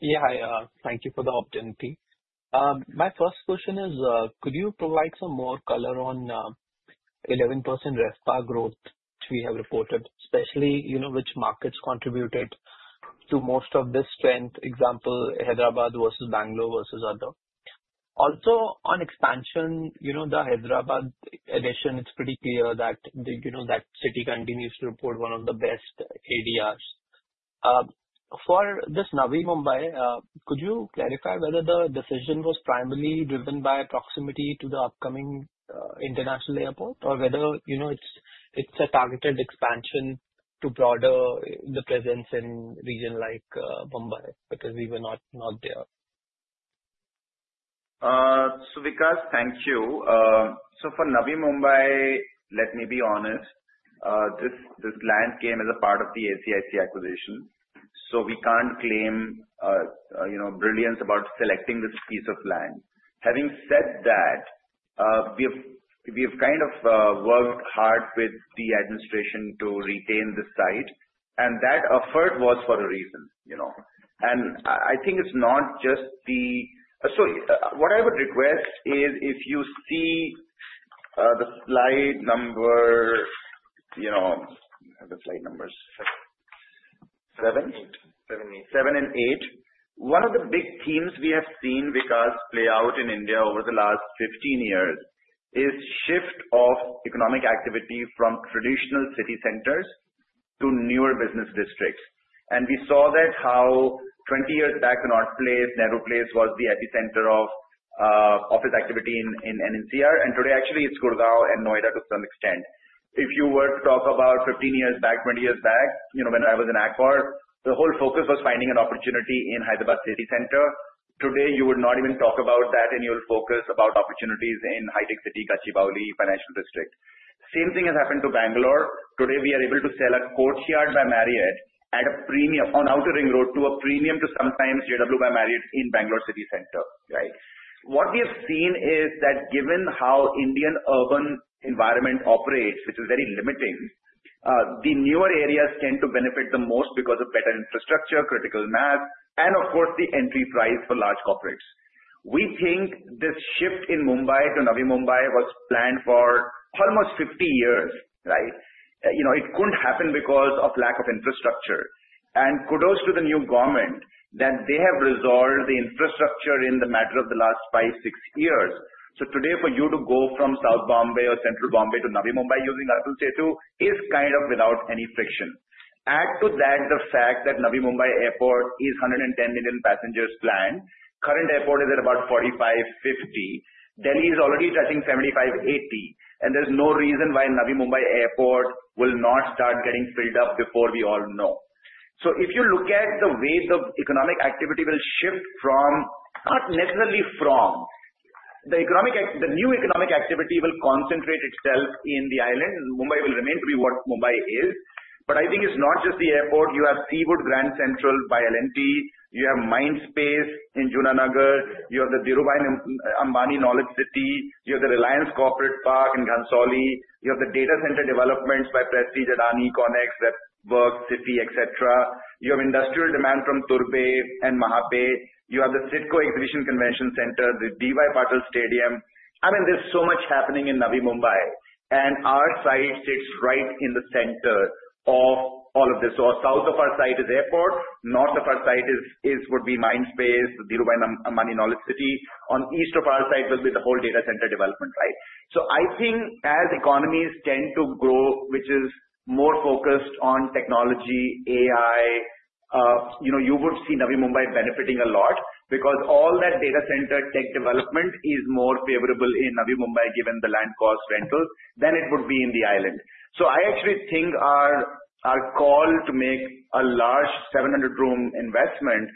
Yeah, hi. Thank you for the opportunity. My first question is, could you provide some more color on 11% RevPAR growth we have reported, especially which markets contributed to most of this trend, example, Hyderabad versus Bangalore versus other? Also, on expansion, the Hyderabad addition, it's pretty clear that that city continues to report one of the best ADRs. For this Navi Mumbai, could you clarify whether the decision was primarily driven by proximity to the upcoming international airport or whether it's a targeted expansion to broaden the presence in regions like Bombay because we were not there? So, Vikas, thank you. So, for Navi Mumbai, let me be honest. This land came as a part of the ACIC acquisition, so we can't claim brilliance about selecting this piece of land. Having said that, we have kind of worked hard with the administration to retain this site, and that effort was for a reason. And I think it's not just the, so what I would request is if you see the slide number, the slide numbers, seven? Eight. Seven and eight. One of the big themes we have seen, Vikas, play out in India over the last 15 years is the shift of economic activity from traditional city centers to newer business districts, and we saw how 20 years back, Nehru Place was the epicenter of office activity in NCR, and today, actually, it's Gurgaon and Noida to some extent. If you were to talk about 15 years back, 20 years back, when I was in Accor, the whole focus was finding an opportunity in Hyderabad city center. Today, you would not even talk about that, and you'll focus on opportunities in Hyderabad city, Gachibowli financial district. Same thing has happened to Bangalore. Today, we are able to sell a Courtyard by Marriott on Outer Ring Road at a premium to sometimes JW by Marriott in Bangalore city center, right? What we have seen is that given how the Indian urban environment operates, which is very limiting, the newer areas tend to benefit the most because of better infrastructure, critical mass, and of course, the entry price for large corporates. We think this shift in Mumbai to Navi Mumbai was planned for almost 50 years, right? It couldn't happen because of lack of infrastructure, and kudos to the new government that they have resolved the infrastructure in the matter of the last five, six years. Today, for you to go from South Bombay or Central Bombay to Navi Mumbai using Atal Setu is kind of without any friction. Add to that the fact that Navi Mumbai airport is 110 million passengers planned. The current airport is at about 45-50. Delhi is already touching 75-80, and there's no reason why Navi Mumbai airport will not start getting filled up before we all know. So if you look at the way the economic activity will shift from, not necessarily from, the new economic activity will concentrate itself in the island. Mumbai will remain to be what Mumbai is. But I think it's not just the airport. You have Seawoods Grand Central by L&T. You have Mindspace in Juinagar. You have the Dhirubhai Ambani Knowledge City. You have the Reliance Corporate Park in Ghansoli. You have the data center developments by Prestige, AdaniConneX, Web Werks, etc. You have industrial demand from Turbhe and Mahape. You have the CIDCO Exhibition Convention Center, the Dr. D.Y. Patil Sports Stadium. I mean, there's so much happening in Navi Mumbai, and our site sits right in the center of all of this. So south of our site is the airport. North of our site would be Mindspace, Dhirubhai Ambani Knowledge City. On the east of our site will be the whole data center development, right? So I think as economies tend to grow, which is more focused on technology, AI, you would see Navi Mumbai benefiting a lot because all that data center tech development is more favorable in Navi Mumbai given the land cost rental than it would be in the island. So I actually think our call to make a large 700-room investment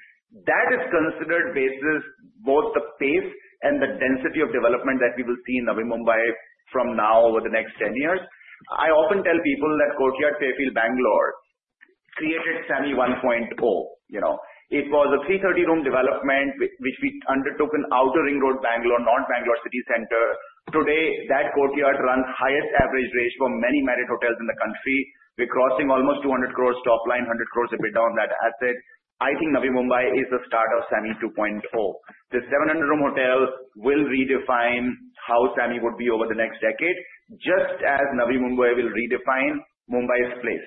that is considered basis both the pace and the density of development that we will see in Navi Mumbai from now over the next 10 years. I often tell people that Courtyard Fairfield Bangalore created SAMHI 1.0. It was a 330-room development which we undertook in Outer Ring Road Bangalore, North Bangalore city center. Today, that Courtyard runs highest average rate for many Marriott hotels in the country. We're crossing almost 200 crores top line, 100 crores EBITDA on that asset. I think Navi Mumbai is the start of SAMHI 2.0. The 700-room hotel will redefine how SAMHI would be over the next decade, just as Navi Mumbai will redefine Mumbai's place.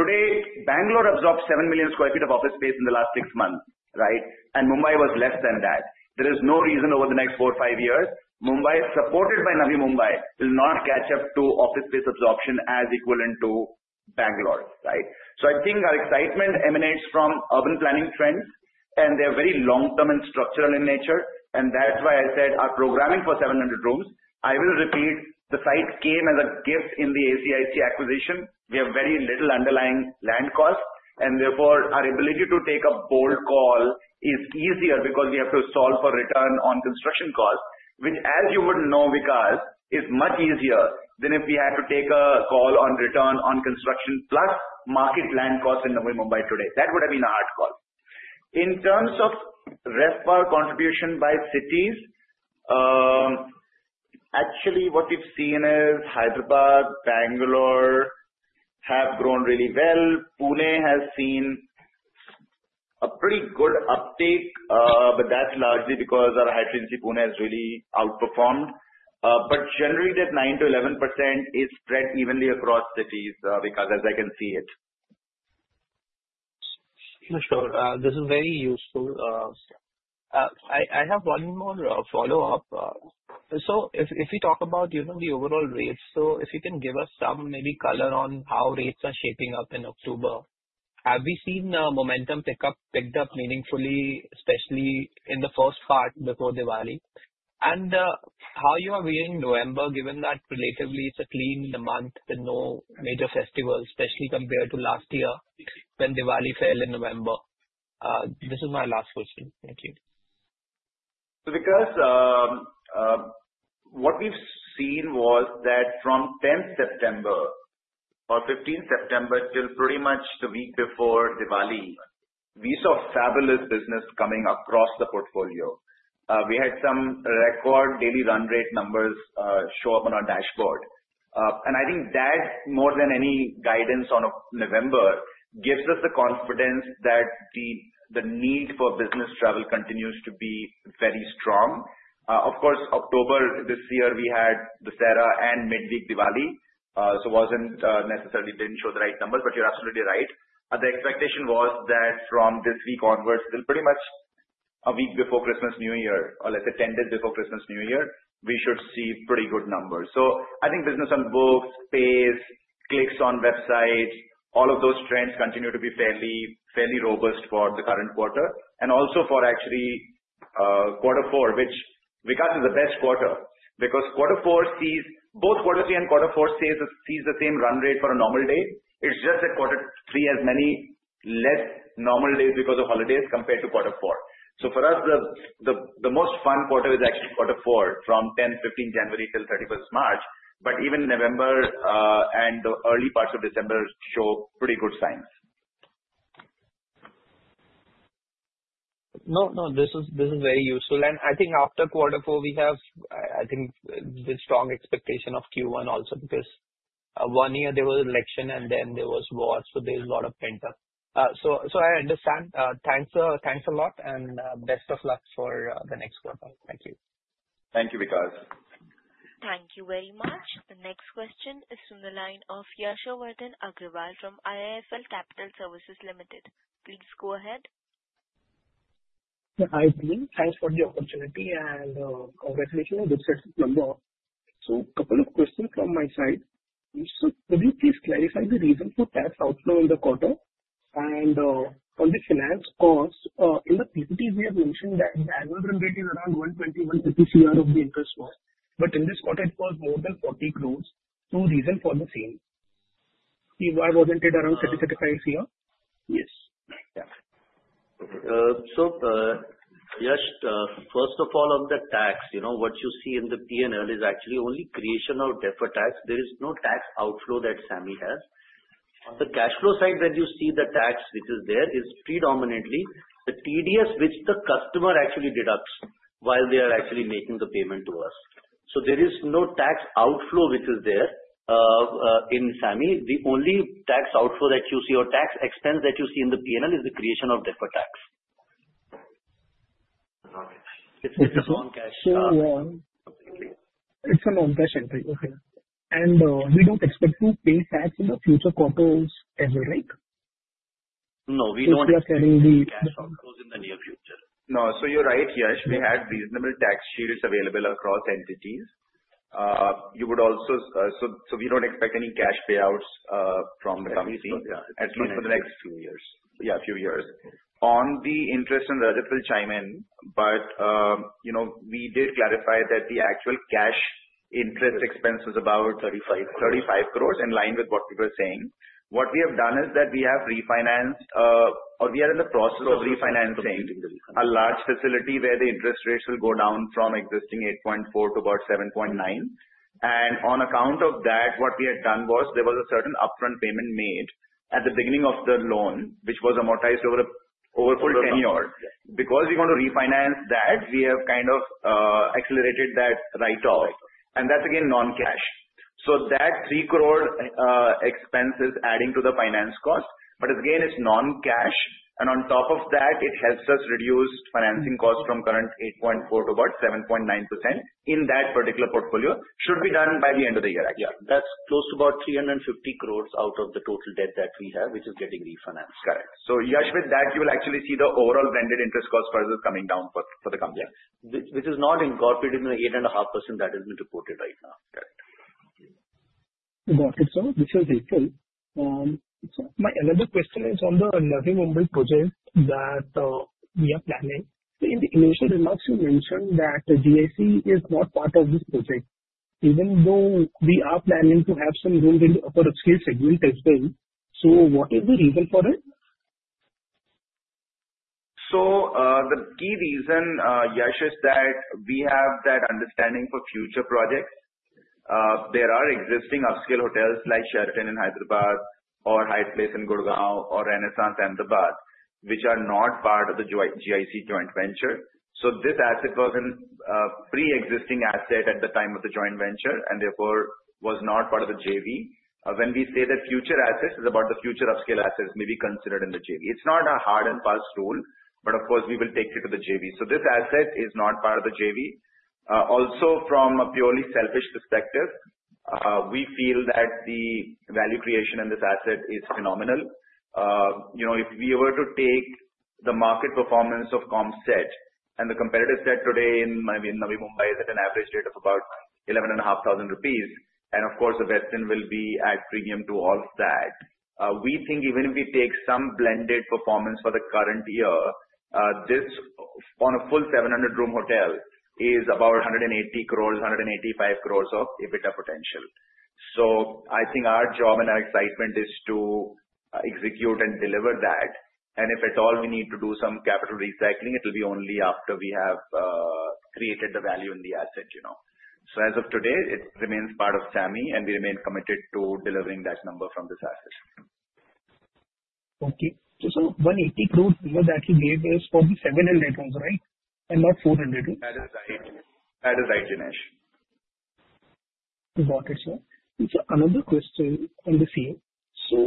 Today, Bangalore absorbed 7 million sq ft of office space in the last six months, right? And Mumbai was less than that. There is no reason over the next four or five years Mumbai, supported by Navi Mumbai, will not catch up to office space absorption as equivalent to Bangalore, right? So I think our excitement emanates from urban planning trends, and they're very long-term and structural in nature. And that's why I said our programming for 700 rooms, I will repeat, the site came as a gift in the ACIC acquisition. We have very little underlying land cost, and therefore our ability to take a bold call is easier because we have to solve for return on construction cost, which, as you would know, Vikas, is much easier than if we had to take a call on return on construction plus market land cost in Navi Mumbai today. That would have been a hard call. In terms of RevPAR contribution by cities, actually what we've seen is Hyderabad, Bangalore have grown really well. Pune has seen a pretty good uptake, but that's largely because our Hyderabad City, Pune has really outperformed. But generally, that 9%-11% is spread evenly across cities, Vikas, as I can see it. Sure. This is very useful. I have one more follow-up. So if we talk about the overall rates, so if you can give us some maybe color on how rates are shaping up in October, have we seen momentum picked up meaningfully, especially in the first part before Diwali? And how you are viewing November, given that relatively it's a clean month with no major festivals, especially compared to last year when Diwali fell in November? This is my last question. Thank you. So, Vikas, what we've seen was that from 10th September or 15th September till pretty much the week before Diwali, we saw fabulous business coming across the portfolio. We had some record daily run rate numbers show up on our dashboard, and I think that, more than any guidance on November, gives us the confidence that the need for business travel continues to be very strong. Of course, October this year, we had the Dussehra and midweek Diwali, so it wasn't necessarily didn't show the right numbers, but you're absolutely right. The expectation was that from this week onwards till pretty much a week before Christmas New Year or let's say 10 days before Christmas New Year, we should see pretty good numbers, so I think business on books, pace, clicks on websites, all of those trends continue to be fairly robust for the current quarter. And also for actually Quarter 4, which, Vikas, is the best quarter because Quarter 4 sees both Quarter 3 and Quarter 4 sees the same run rate for a normal day. It's just that Quarter 3 has many less normal days because of holidays compared to Quarter 4. So for us, the most fun quarter is actually Quarter 4 from 10, 15 January till 31st March. But even November and the early parts of December show pretty good signs. No, no, this is very useful. And I think after Quarter 4, we have, I think, the strong expectation of Q1 also because one year there was an election and then there was war, so there's a lot of pent-up. So I understand. Thanks a lot, and best of luck for the next quarter. Thank you. Thank you, Vikas. Thank you very much. The next question is from the line of Yashovardhan Agrawal from IIFL Capital Services Limited. Please go ahead. Hi, I think thanks for the opportunity and congratulations. That's excellent, so a couple of questions from my side, so could you please clarify the reason for tax outflow in the quarter? And on the finance cost, in the PPT, we have mentioned that the annual run rate is around 120-150 rupees CR of the interest cost. But in this quarter, it was more than 40 crores, so reason for the same? PY wasn't it around 30-35 CR? Yes. So just first of all, on the tax, what you see in the P&L is actually only creation of deferred tax. There is no tax outflow that SAMHI has. On the cash flow side, when you see the tax which is there, it's predominantly the TDS which the customer actually deducts while they are actually making the payment to us. So there is no tax outflow which is there in SAMHI. The only tax outflow that you see or tax expense that you see in the P&L is the creation of deferred tax. It's a long cash outflow. It's a long cash outflow. And we don't expect to pay tax in the future quarters ever, right? No, we don't. If we are carrying the cash outflows in the near future. No, so you're right, Yash. We had reasonable tax shields available across entities. You would also so we don't expect any cash payouts from the company at least for the next few years. Yeah, a few years. On the interest and the others chime in, but we did clarify that the actual cash interest expense was about 35 crores in line with what people are saying. What we have done is that we have refinanced or we are in the process of refinancing a large facility where the interest rates will go down from existing 8.4% to about 7.9%. And on account of that, what we had done was there was a certain upfront payment made at the beginning of the loan, which was amortized over a full tenure. Because we want to refinance that, we have kind of accelerated that write-off. And that's again non-cash. So that 3 crore expense is adding to the finance cost, but again, it's non-cash. And on top of that, it helps us reduce financing costs from current 8.4% to about 7.9% in that particular portfolio. Should be done by the end of the year. Yeah. That's close to about 350 crores out of the total debt that we have, which is getting refinanced. Correct. So Yash, with that, you will actually see the overall blended interest costs further coming down for the company. Which is not incorporated in the 8.5% that has been reported right now. Got it. So this is April. So my another question is on the Navi Mumbai project that we are planning. In the initial remarks, you mentioned that GIC is not part of this project, even though we are planning to have some room for upscale segment as well. So what is the reason for it? So the key reason, Yash, is that we have that understanding for future projects. There are existing upscale hotels like Sheraton in Hyderabad or Hyatt Place in Gurgaon or Renaissance Ahmedabad, which are not part of the GIC joint venture. So this asset was a pre-existing asset at the time of the joint venture and therefore was not part of the JV. When we say that future assets is about the future upscale assets may be considered in the JV. It's not a hard and fast rule, but of course, we will take it to the JV. So this asset is not part of the JV. Also, from a purely selfish perspective, we feel that the value creation in this asset is phenomenal. If we were to take the market performance of comp set and the competitor set today in Navi Mumbai is at an average rate of about 11,500 rupees. And of course, the Westin will be at premium to all of that. We think even if we take some blended performance for the current year, this on a full 700-room hotel is about 180 crores, 185 crores of EBITDA potential. So I think our job and our excitement is to execute and deliver that. And if at all we need to do some capital recycling, it will be only after we have created the value in the asset. So as of today, it remains part of SAMHI, and we remain committed to delivering that number from this asset. so 180 crores that you gave is for the 700 rooms, right, and not 400 rooms? That is right. That is right, Dinesh. Got it, sir. So another question on the same. So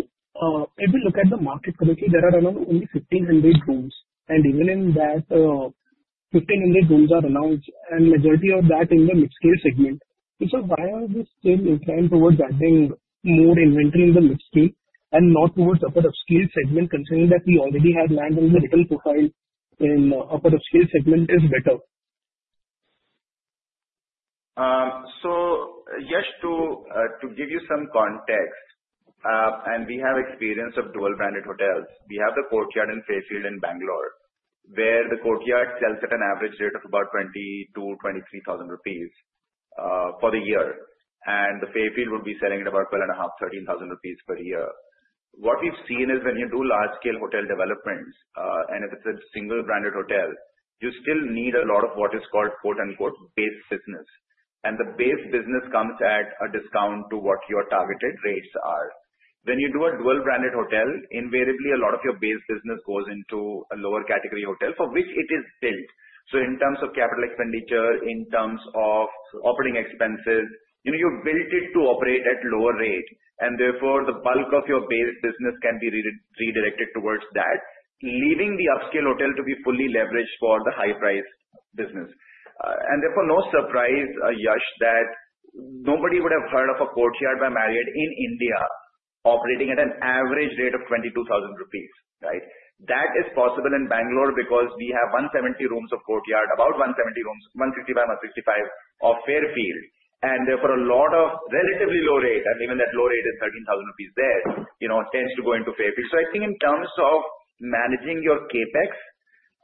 if we look at the market currently, there are around only 1,500 rooms. And even in that, 1,500 rooms are announced, and majority of that in the mid-scale segment. So why are we still inclined towards adding more inventory in the mid-scale and not towards upper upscale segment, considering that we already have land in the rental profile in upper upscale segment is better? So Yash, to give you some context, and we have experience of dual-branded hotels. We have the Courtyard and Fairfield in Bangalore, where the Courtyard sells at an average rate of about 20,000-23,000 rupees for the year. And the Fairfield would be selling at about 12,500-13,000 rupees per year. What we've seen is when you do large-scale hotel developments, and if it's a single-branded hotel, you still need a lot of what is called "base business." And the base business comes at a discount to what your targeted rates are. When you do a dual-branded hotel, invariably a lot of your base business goes into a lower category hotel for which it is built. So in terms of capital expenditure, in terms of operating expenses, you've built it to operate at lower rate. And therefore, the bulk of your base business can be redirected towards that, leaving the upscale hotel to be fully leveraged for the high-priced business. And therefore, no surprise, Yash, that nobody would have heard of a Courtyard by Marriott in India operating at an average rate of 22,000 rupees, right? That is possible in Bangalore because we have 170 rooms of Courtyard, about 165 or 65 of Fairfield. And therefore, a lot of relatively low rate, and even that low rate is 13,000 rupees there, tends to go into Fairfield. So I think in terms of managing your CapEx,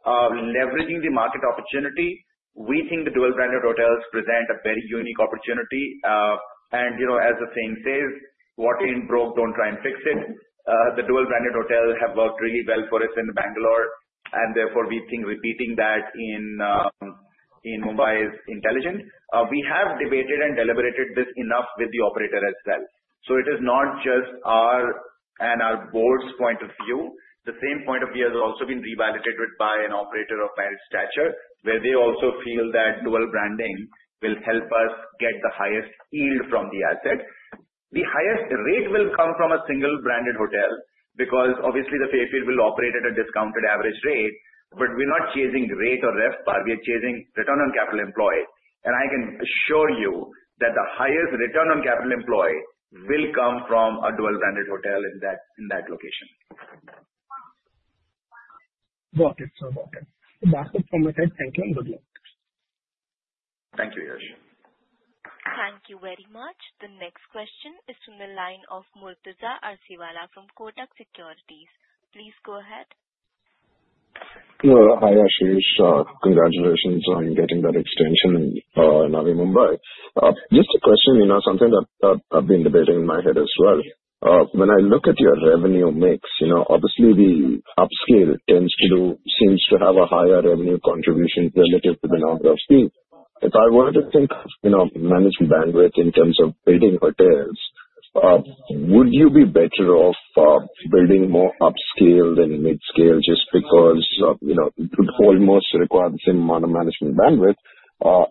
leveraging the market opportunity, we think the dual-branded hotels present a very unique opportunity. And as the saying says, "What ain't broke, don't try and fix it." The dual-branded hotel has worked really well for us in Bangalore. And therefore, we think repeating that in Mumbai is intelligent. We have debated and deliberated this enough with the operator as well. So it is not just our and our board's point of view. The same point of view has also been revalidated by an operator of Marriott stature, where they also feel that dual-branding will help us get the highest yield from the asset. The highest rate will come from a single-branded hotel because obviously the Fairfield will operate at a discounted average rate, but we're not chasing rate or RevPAR. We are chasing return on capital employed. And I can assure you that the highest return on capital employed will come from a dual-branded hotel in that location. Got it, sir. Got it. That's it from my side. Thank you and good luck. Thank you, Yash. Thank you very much. The next question is from the line of Murtuza Arsiwalla from Kotak Securities. Please go ahead. Hi, Ashish. Congratulations on getting that extension in Navi Mumbai. Just a question, something that I've been debating in my head as well. When I look at your revenue mix, obviously the upscale tends to have a higher revenue contribution relative to the number of people. If I were to think of management bandwidth in terms of building hotels, would you be better off building more upscale than mid-scale just because it would almost require the same amount of management bandwidth,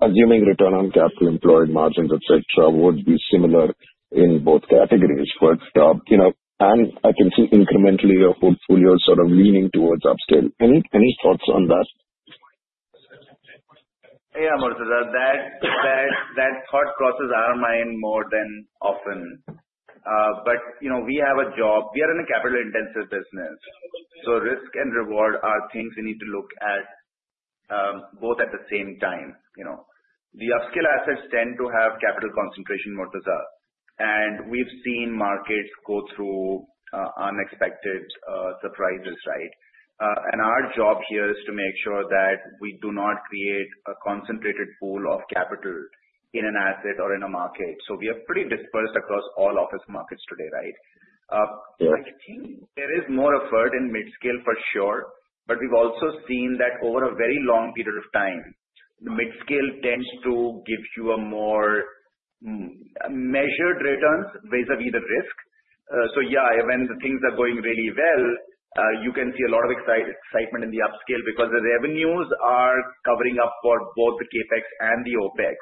assuming return on capital employed margins, etc., would be similar in both categories? And I can see incrementally your portfolio sort of leaning towards upscale. Any thoughts on that? Yeah, Murtuza, that thought crosses our mind more than often. But we have a job. We are in a capital-intensive business. So risk and reward are things we need to look at both at the same time. The upscale assets tend to have capital concentration, Murtuza. And we've seen markets go through unexpected surprises, right? And our job here is to make sure that we do not create a concentrated pool of capital in an asset or in a market. So we are pretty dispersed across all office markets today, right? I think there is more effort in mid-scale for sure, but we've also seen that over a very long period of time, the mid-scale tends to give you a more measured return vis-à-vis the risk. So yeah, when the things are going really well, you can see a lot of excitement in the upscale because the revenues are covering up for both the CapEx and the OpEx.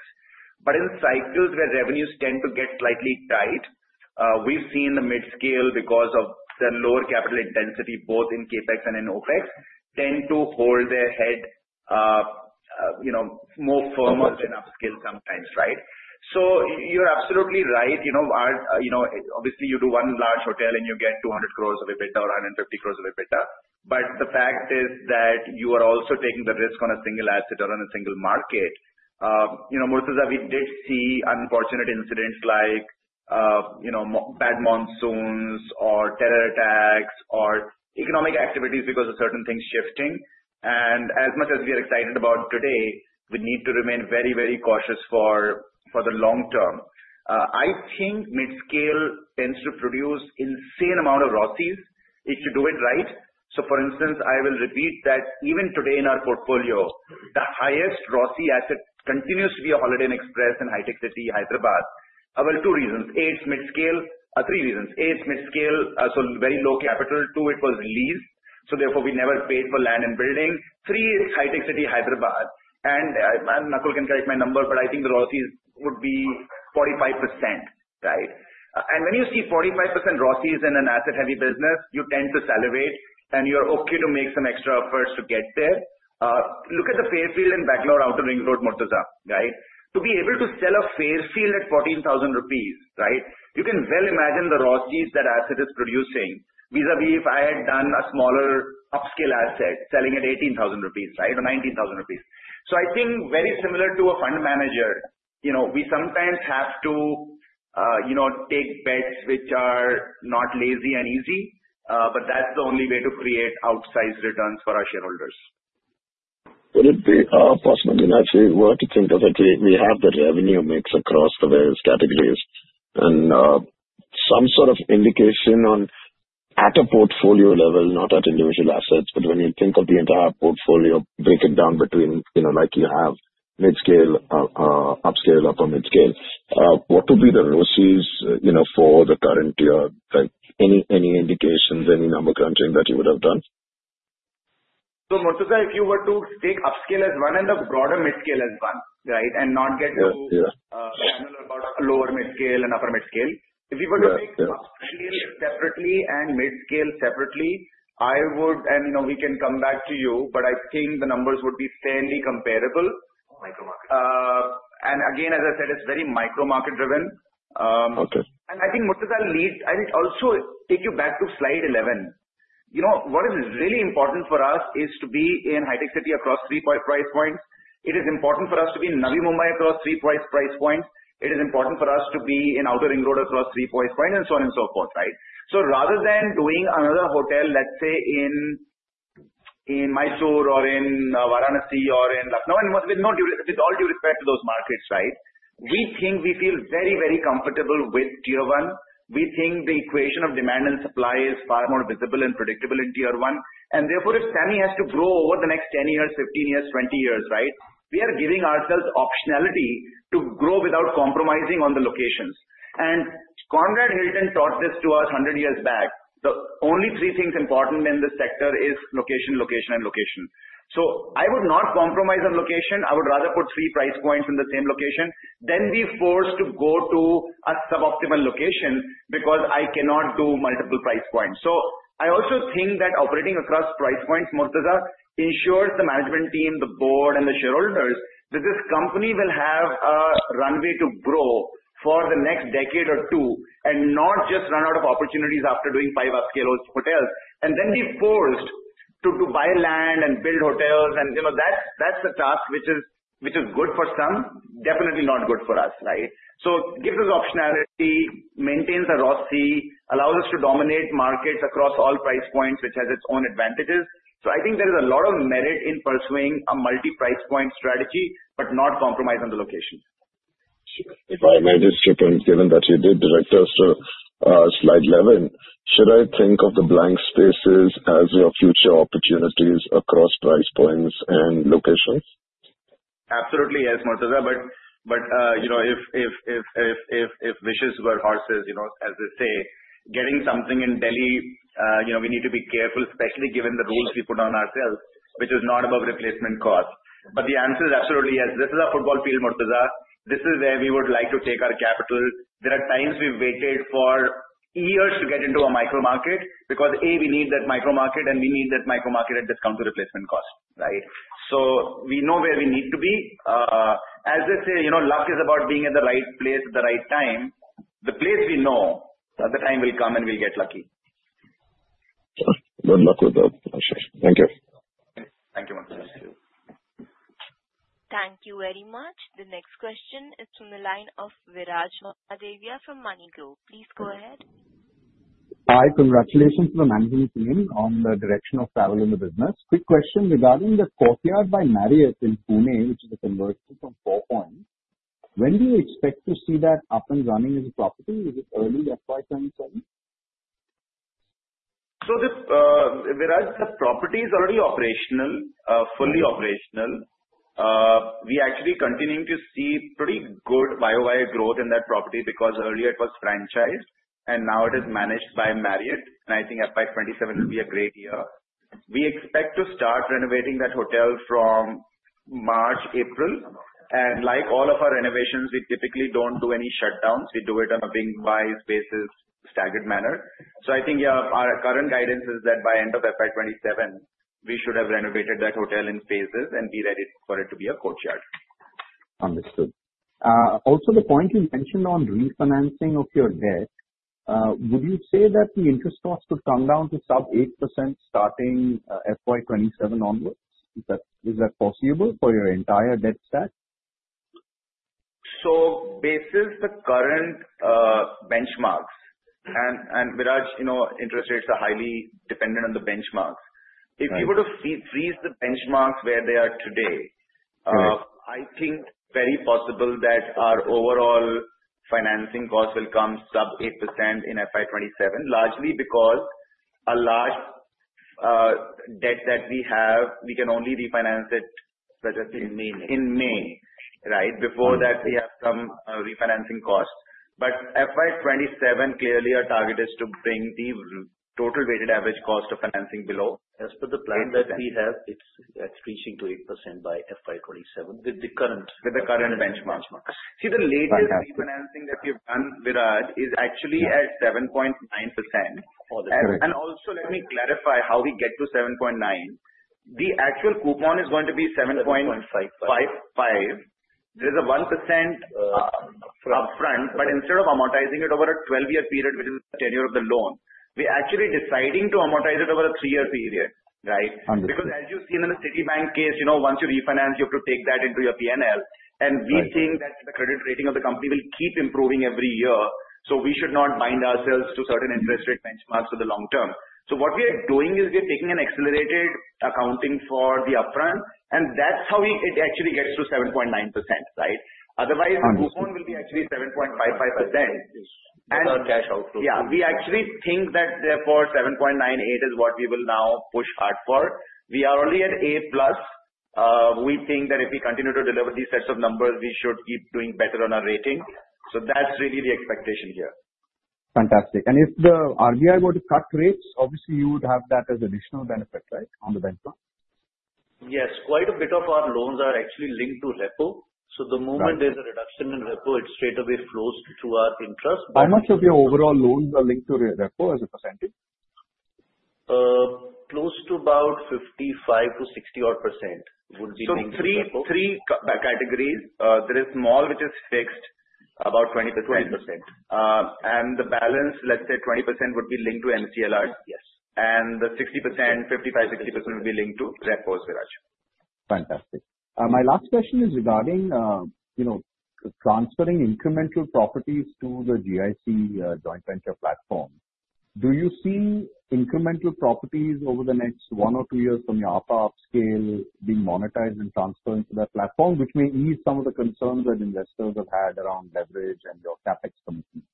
But in cycles where revenues tend to get slightly tight, we've seen the mid-scale because of the lower capital intensity both in CapEx and in OpEx tend to hold their head more firmly than upscale sometimes, right? So you're absolutely right. Obviously, you do one large hotel and you get 200 crores of EBITDA or 150 crores of EBITDA. But the fact is that you are also taking the risk on a single asset or on a single market. Murtuza, we did see unfortunate incidents like bad monsoons or terror attacks or economic activities because of certain things shifting. And as much as we are excited about today, we need to remain very, very cautious for the long term. I think mid-scale tends to produce an insane amount of ROCEs if you do it right. So for instance, I will repeat that even today in our portfolio, the highest ROCE asset continues to be a Holiday Inn Express in HITEC City, Hyderabad. Well, two reasons. A, it's mid-scale. Three reasons. A, it's mid-scale, so very low capital. Two, it was leased. So therefore, we never paid for land and building. Three, it's HITEC City, Hyderabad. And I'm not going to correct my number, but I think the ROCEs would be 45%, right? And when you see 45% ROCEs in an asset-heavy business, you tend to salivate, and you're okay to make some extra efforts to get there. Look at the Fairfield and Bangalore Outer Ring Road, Murtuza, right? To be able to sell a Fairfield at 14,000 rupees, right? You can well imagine the ROCEs that asset is producing vis-à-vis if I had done a smaller upscale asset selling at 18,000 rupees, right, or 19,000 rupees. So I think very similar to a fund manager, we sometimes have to take bets which are not lazy and easy, but that's the only way to create outsized returns for our shareholders. Would it be possible? Actually, we were to think of it, we have the revenue mix across the various categories and some sort of indication on at a portfolio level, not at individual assets, but when you think of the entire portfolio, break it down between like you have mid-scale, upscale, upper mid-scale, what would be the ROCEs for the current year? Any indications, any number crunching that you would have done? So Murtuza, if you were to take upscale as one and the broader mid-scale as one, right, and not get too granular about lower mid-scale and upper mid-scale, if you were to take upscale separately and mid-scale separately, I would, and we can come back to you, but I think the numbers would be fairly comparable. And again, as I said, it's very micro-market-driven. And I think Murtuza leads and it also takes you back to slide 11. What is really important for us is to be in HITEC City across three price points. It is important for us to be in Navi Mumbai across three price points. It is important for us to be in Outer Ring Road across three price points and so on and so forth, right? So rather than doing another hotel, let's say in Mysore or in Varanasi or in Lucknow, with all due respect to those markets, right, we think we feel very, very comfortable with tier one. We think the equation of demand and supply is far more visible and predictable in tier one. And therefore, if SAMHI has to grow over the next 10 years, 15 years, 20 years, right, we are giving ourselves optionality to grow without compromising on the locations. And Conrad Hilton taught this to us 100 years back. The only three things important in this sector are location, location, and location. So I would not compromise on location. I would rather put three price points in the same location than be forced to go to a suboptimal location because I cannot do multiple price points. So I also think that operating across price points, Murtuza, ensures the management team, the board, and the shareholders that this company will have a runway to grow for the next decade or two and not just run out of opportunities after doing five upscale hotels. And then be forced to buy land and build hotels. And that's a task which is good for some, definitely not good for us, right? So it gives us optionality, maintains a ROCE, allows us to dominate markets across all price points, which has its own advantages. So I think there is a lot of merit in pursuing a multi-price point strategy, but not compromise on the location. If I may just chip in, given that you did direct us to slide 11, should I think of the blank spaces as your future opportunities across price points and locations? Absolutely, yes, Murtuza. But if wishes were horses, as they say, getting something in Delhi, we need to be careful, especially given the rules we put on ourselves, which is not about replacement cost. But the answer is absolutely yes. This is a football field, Murtuza. This is where we would like to take our capital. There are times we've waited for years to get into a micro-market because, A, we need that micro-market, and we need that micro-market at discount to replacement cost, right? So we know where we need to be. As they say, luck is about being at the right place at the right time. The place we know, the other time will come and we'll get lucky. Good luck with that, Ashish. Thank you. Thank you, Murtuza. Thank you very much. The next question is from the line of Viraj Mahadevia from MoneyGrow. Please go ahead. Hi, congratulations to the management team on the direction of travel in the business. Quick question regarding the Courtyard by Marriott in Pune, which is a conversion of Four Points. When do you expect to see that up and running as a property? Is it early FY27? So Viraj, that property is already operational, fully operational. We actually continue to see pretty good RevPAR growth in that property because earlier it was franchised, and now it is managed by Marriott. And I think FY27 will be a great year. We expect to start renovating that hotel from March, April. And like all of our renovations, we typically don't do any shutdowns. We do it on a wing-wise basis, staggered manner. So I think, yeah, our current guidance is that by end of FY27, we should have renovated that hotel in phases and be ready for it to be a Courtyard. Understood. Also, the point you mentioned on refinancing of your debt, would you say that the interest costs could come down to sub 8% starting FY27 onwards? Is that possible for your entire debt stack? So, based on the current benchmarks, and Viraj, interest rates are highly dependent on the benchmarks. If you were to freeze the benchmarks where they are today, I think it's very possible that our overall financing cost will come sub 8% in FY27, largely because a large debt that we have, we can only refinance it. In May, maybe. In May, right? Before that, we have some refinancing cost. But FY27, clearly, our target is to bring the total weighted average cost of financing below. As per the plan that we have, it's reaching to 8% by FY27 with the current benchmarks. With the current benchmarks. See, the latest refinancing that we've done, Viraj, is actually at 7.9%, and also, let me clarify how we get to 7.9%. The actual coupon is going to be 7.5%. There is a 1% upfront, but instead of amortizing it over a 12-year period, which is the tenure of the loan, we're actually deciding to amortize it over a three-year period, right? Because as you've seen in the Citibank case, once you refinance, you have to take that into your P&L, and we think that the credit rating of the company will keep improving every year, so we should not bind ourselves to certain interest rate benchmarks for the long term, so what we are doing is we're taking an accelerated accounting for the upfront, and that's how it actually gets to 7.9%, right? Otherwise, the coupon will be actually 7.55%. Another cash outflow. Yeah. We actually think that therefore 7.98 is what we will now push hard for. We are already at A-plus. We think that if we continue to deliver these sets of numbers, we should keep doing better on our rating, so that's really the expectation here. Fantastic. And if the RBI were to cut rates, obviously you would have that as additional benefit, right, on the benchmark? Yes. Quite a bit of our loans are actually linked to repo. So the moment there's a reduction in repo, it straightaway flows to our interest. How much of your overall loans are linked to repo as a %? Close to about 55%-60%-odd would be linked to repo, so three categories. There is small, which is fixed, about 20%. And the balance, let's say 20%, would be linked to MCLRs. And the 60%, 55%-60% would be linked to repos, Viraj. Fantastic. My last question is regarding transferring incremental properties to the GIC joint venture platform. Do you see incremental properties over the next one or two years from your upper upscale being monetized and transferring to that platform, which may ease some of the concerns that investors have had around leverage and your CapEx commitments?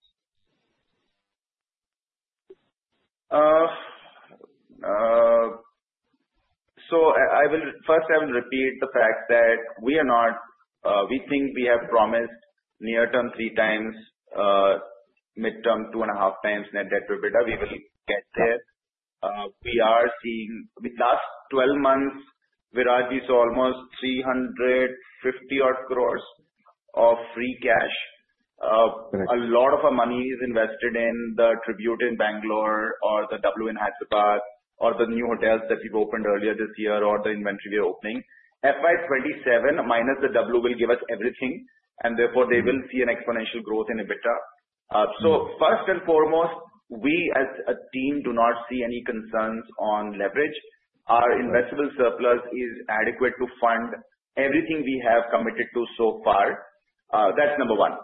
So first, I will repeat the fact that we think we have promised near-term three times, mid-term two and a half times net debt EBITDA. We will get there. We are seeing the last 12 months, Viraj is almost 350-odd crores of free cash. A lot of our money is invested in the Tribute in Bangalore or the W in Hyderabad or the new hotels that we've opened earlier this year or the inventory we're opening. FY27, minus the W, will give us everything. And therefore, they will see an exponential growth in EBITDA. So first and foremost, we as a team do not see any concerns on leverage. Our investable surplus is adequate to fund everything we have committed to so far. That's number one.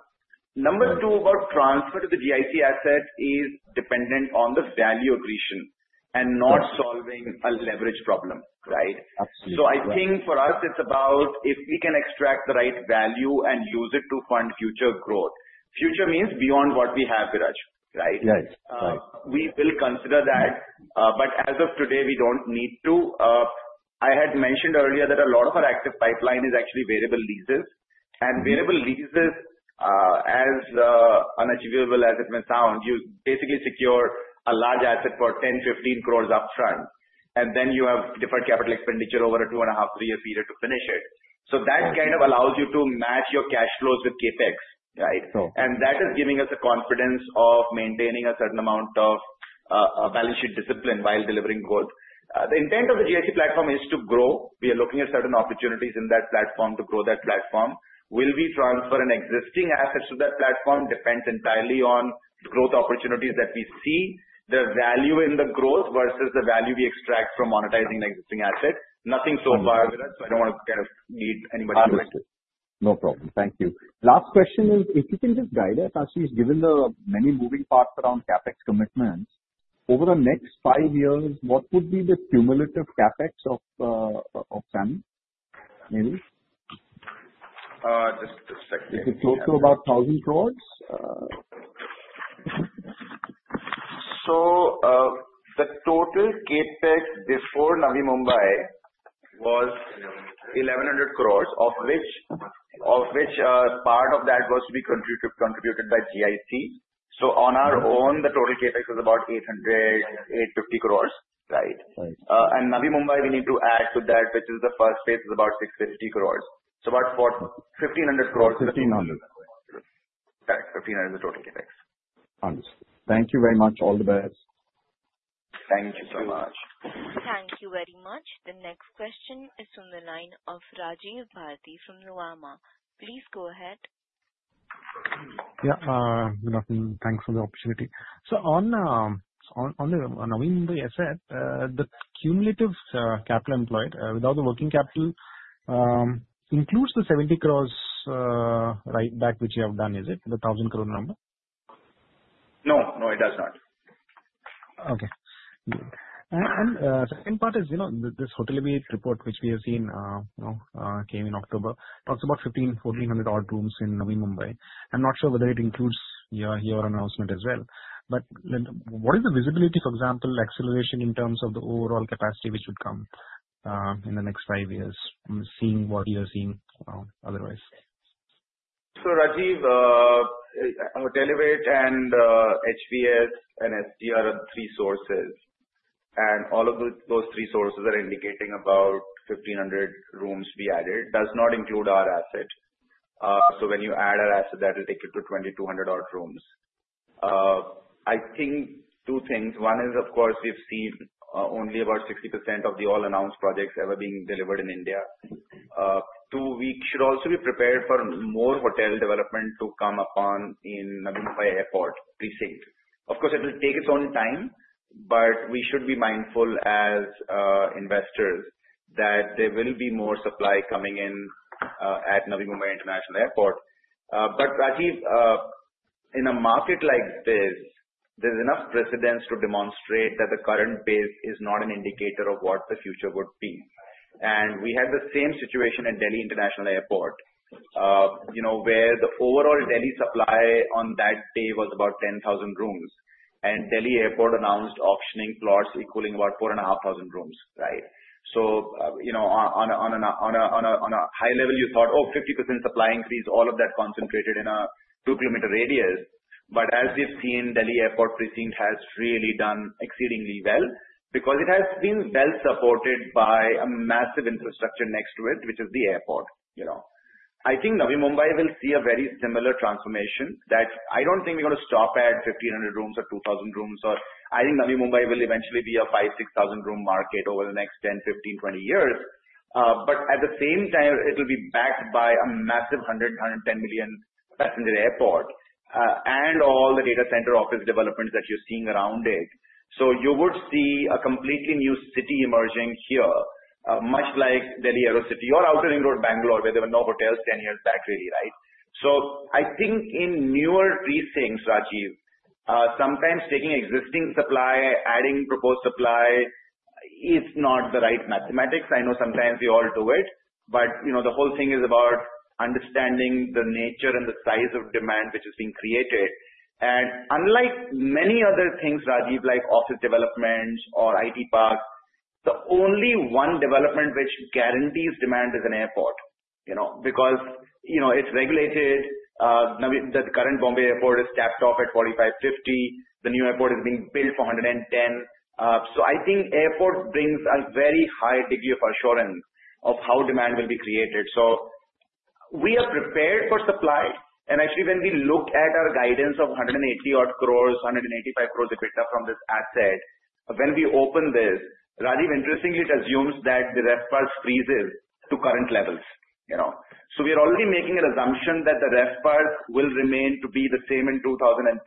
Number two, about transfer to the GIC asset is dependent on the value accretion and not solving a leverage problem, right? So I think for us, it's about if we can extract the right value and use it to fund future growth. Future means beyond what we have, Viraj, right? Yes. We will consider that. But as of today, we don't need to. I had mentioned earlier that a lot of our active pipeline is actually variable leases. And variable leases, as unachievable as it may sound, you basically secure a large asset for 10-15 crores upfront. And then you have different capital expenditure over a two and a half, three-year period to finish it. So that kind of allows you to match your cash flows with CapEx, right? And that is giving us the confidence of maintaining a certain amount of balance sheet discipline while delivering growth. The intent of the GIC platform is to grow. We are looking at certain opportunities in that platform to grow that platform. Will we transfer an existing asset to that platform? Depends entirely on the growth opportunities that we see, the value in the growth versus the value we extract from monetizing an existing asset. Nothing so far, Viraj. So I don't want to kind of lead anybody to it. No problem. Thank you. Last question is, if you can just guide us, Ashish, given the many moving parts around CapEx commitments, over the next five years, what would be the cumulative CapEx of SAMHI, maybe? Just a second. Is it close to about 1,000 crores? So the total CapEx before Navi Mumbai was 1,100 crores, of which part of that was to be contributed by GIC. So on our own, the total CapEx is about 850 crores, right? And Navi Mumbai, we need to add to that, which is the first phase, is about 650 crores. So about 1,500 crores. 1,500. Correct. 1,500 is the total CapEx. Understood. Thank you very much. All the best. Thank you so much. Thank you very much. The next question is from the line of Rajiv Bharti from Nuvama. Please go ahead. Yeah. Good afternoon. Thanks for the opportunity. So on the Navi Mumbai asset, the cumulative capital employed without the working capital includes the 70 crores right back which you have done. Is it the 1,000 crore number? No. No, it does not. Okay, and second part is this hotel report which we have seen came in October, talks about 1,500, 1,400-odd rooms in Navi Mumbai. I'm not sure whether it includes your announcement as well, but what is the visibility, for example, acceleration in terms of the overall capacity which would come in the next five years, seeing what you are seeing otherwise? So, Rajiv, Hotelivate and HVS and STR are three sources. And all of those three sources are indicating about 1,500 rooms we added. Does not include our asset. So when you add our asset, that will take you to 2,200-odd rooms. I think two things. One is, of course, we've seen only about 60% of the all-announced projects ever being delivered in India. Two, we should also be prepared for more hotel development to come upon in Navi Mumbai Airport Precinct. Of course, it will take its own time, but we should be mindful as investors that there will be more supply coming in at Navi Mumbai International Airport. But Rajiv, in a market like this, there's enough precedent to demonstrate that the current base is not an indicator of what the future would be. And we had the same situation at Delhi International Airport, where the overall Delhi supply on that day was about 10,000 rooms. And Delhi Airport announced auctioning plots equaling about 4,500 rooms, right? So on a high level, you thought, "Oh, 50% supply increase, all of that concentrated in a 2 km radius." But as we've seen, Delhi Airport Precinct has really done exceedingly well because it has been well supported by a massive infrastructure next to it, which is the airport. I think Navi Mumbai will see a very similar transformation that I don't think we're going to stop at 1,500 rooms or 2,000 rooms. I think Navi Mumbai will eventually be a 5,000-6,000 room market over the next 10, 15, 20 years. But at the same time, it will be backed by a massive 100-110 million passenger airport and all the data center office developments that you're seeing around it. So you would see a completely new city emerging here, much like Delhi Aerocity or Outer Ring Road Bangalore, where there were no hotels 10 years back, really, right? So I think in newer precincts, Rajiv, sometimes taking existing supply, adding proposed supply, it's not the right mathematics. I know sometimes we all do it, but the whole thing is about understanding the nature and the size of demand which is being created. And unlike many other things, Rajiv, like office developments or IT parks, the only one development which guarantees demand is an airport because it's regulated. The current Bombay Airport is tapped off at 4,550. The new airport is being built for 110. So I think airport brings a very high degree of assurance of how demand will be created. So we are prepared for supply. And actually, when we look at our guidance of 180-odd crores-185 crores EBITDA from this asset, when we open this, Rajiv, interestingly, it assumes that the RevPAR freezes to current levels. So we are already making an assumption that the RevPARs will remain to be the same in 2030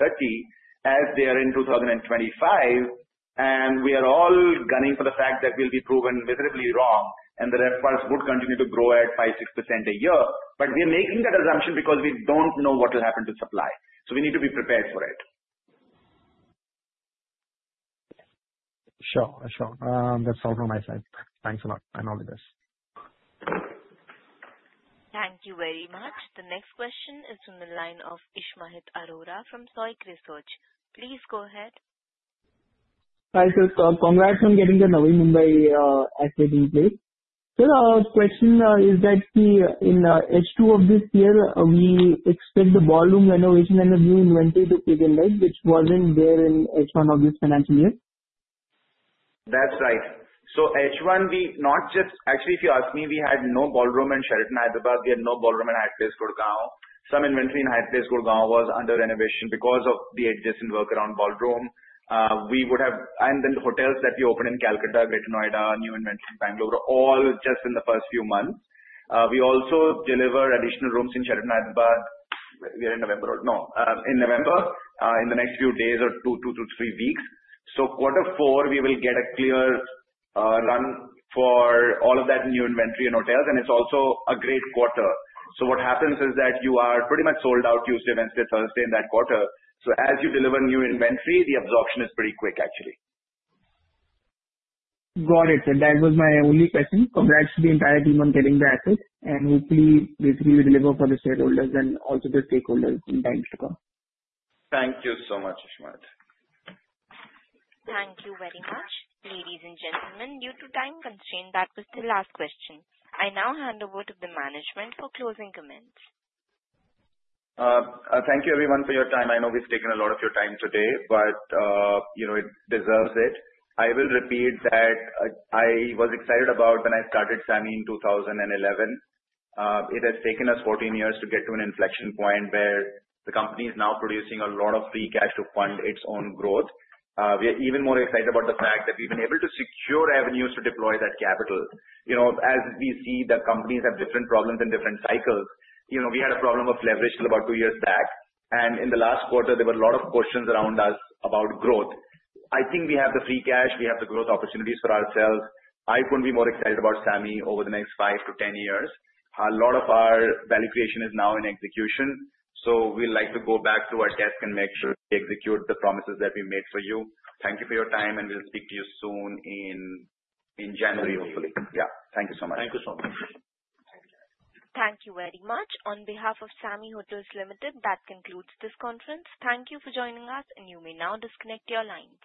as they are in 2025. And we are all gunning for the fact that we'll be proven miDussehrably wrong, and the RevPARs would continue to grow at 5%-6% a year. But we are making that assumption because we don't know what will happen to supply. So we need to be prepared for it. Sure. Sure. That's all from my side. Thanks a lot. I'm out of this. Thank you very much. The next question is from the line of Ishmohit Arora from SOIC Research. Please go ahead. Hi, sir. Congrats on getting the Navi Mumbai asset in place, so the question is that in H2 of this year, we expect the ballroom renovation and a new inventory to take in light, which wasn't there in H1 of this financial year. That's right, so H1, we not just actually, if you ask me, we had no ballroom in Sheraton, Hyderabad. We had no ballroom in Hyatt Place Gurgaon. Some inventory in Hyatt Place Gurgaon was under renovation because of the adjacent work around ballroom. We would have, and then the hotels that we opened in Calcutta, Greater Noida, new inventory in Bangalore, all just in the first few months. We also deliver additional rooms in Sheraton, Hyderabad. We are in November. No. In November, in the next few days or two to three weeks, so quarter four, we will get a clear run for all of that new inventory in hotels, and it's also a great quarter, so what happens is that you are pretty much sold out Tuesday, Wednesday, Thursday in that quarter, so as you deliver new inventory, the absorption is pretty quick, actually. Got it. So that was my only question. Congrats to the entire team on getting the asset. And hopefully, basically, we deliver for the stakeholders and also the stakeholders in times to come. Thank you so much, Ishmohit. Thank you very much, ladies and gentlemen. Due to time constraint, that was the last question. I now hand over to the management for closing comments. Thank you, everyone, for your time. I know we've taken a lot of your time today, but it deserves it. I will repeat that I was excited about when I started SAMHI in 2011. It has taken us 14 years to get to an inflection point where the company is now producing a lot of free cash to fund its own growth. We are even more excited about the fact that we've been able to secure avenues to deploy that capital. As we see that companies have different problems in different cycles, we had a problem of leverage till about two years back. And in the last quarter, there were a lot of questions around us about growth. I think we have the free cash. We have the growth opportunities for ourselves. I couldn't be more excited about SAMHI over the next 5-10 years. A lot of our value creation is now in execution. So we'd like to go back to our desk and make sure we execute the promises that we made for you. Thank you for your time. And we'll speak to you soon in January, hopefully. Yeah. Thank you so much. Thank you so much. Thank you very much. On behalf of SAMHI Hotels Limited, that concludes this conference. Thank you for joining us, and you may now disconnect your lines.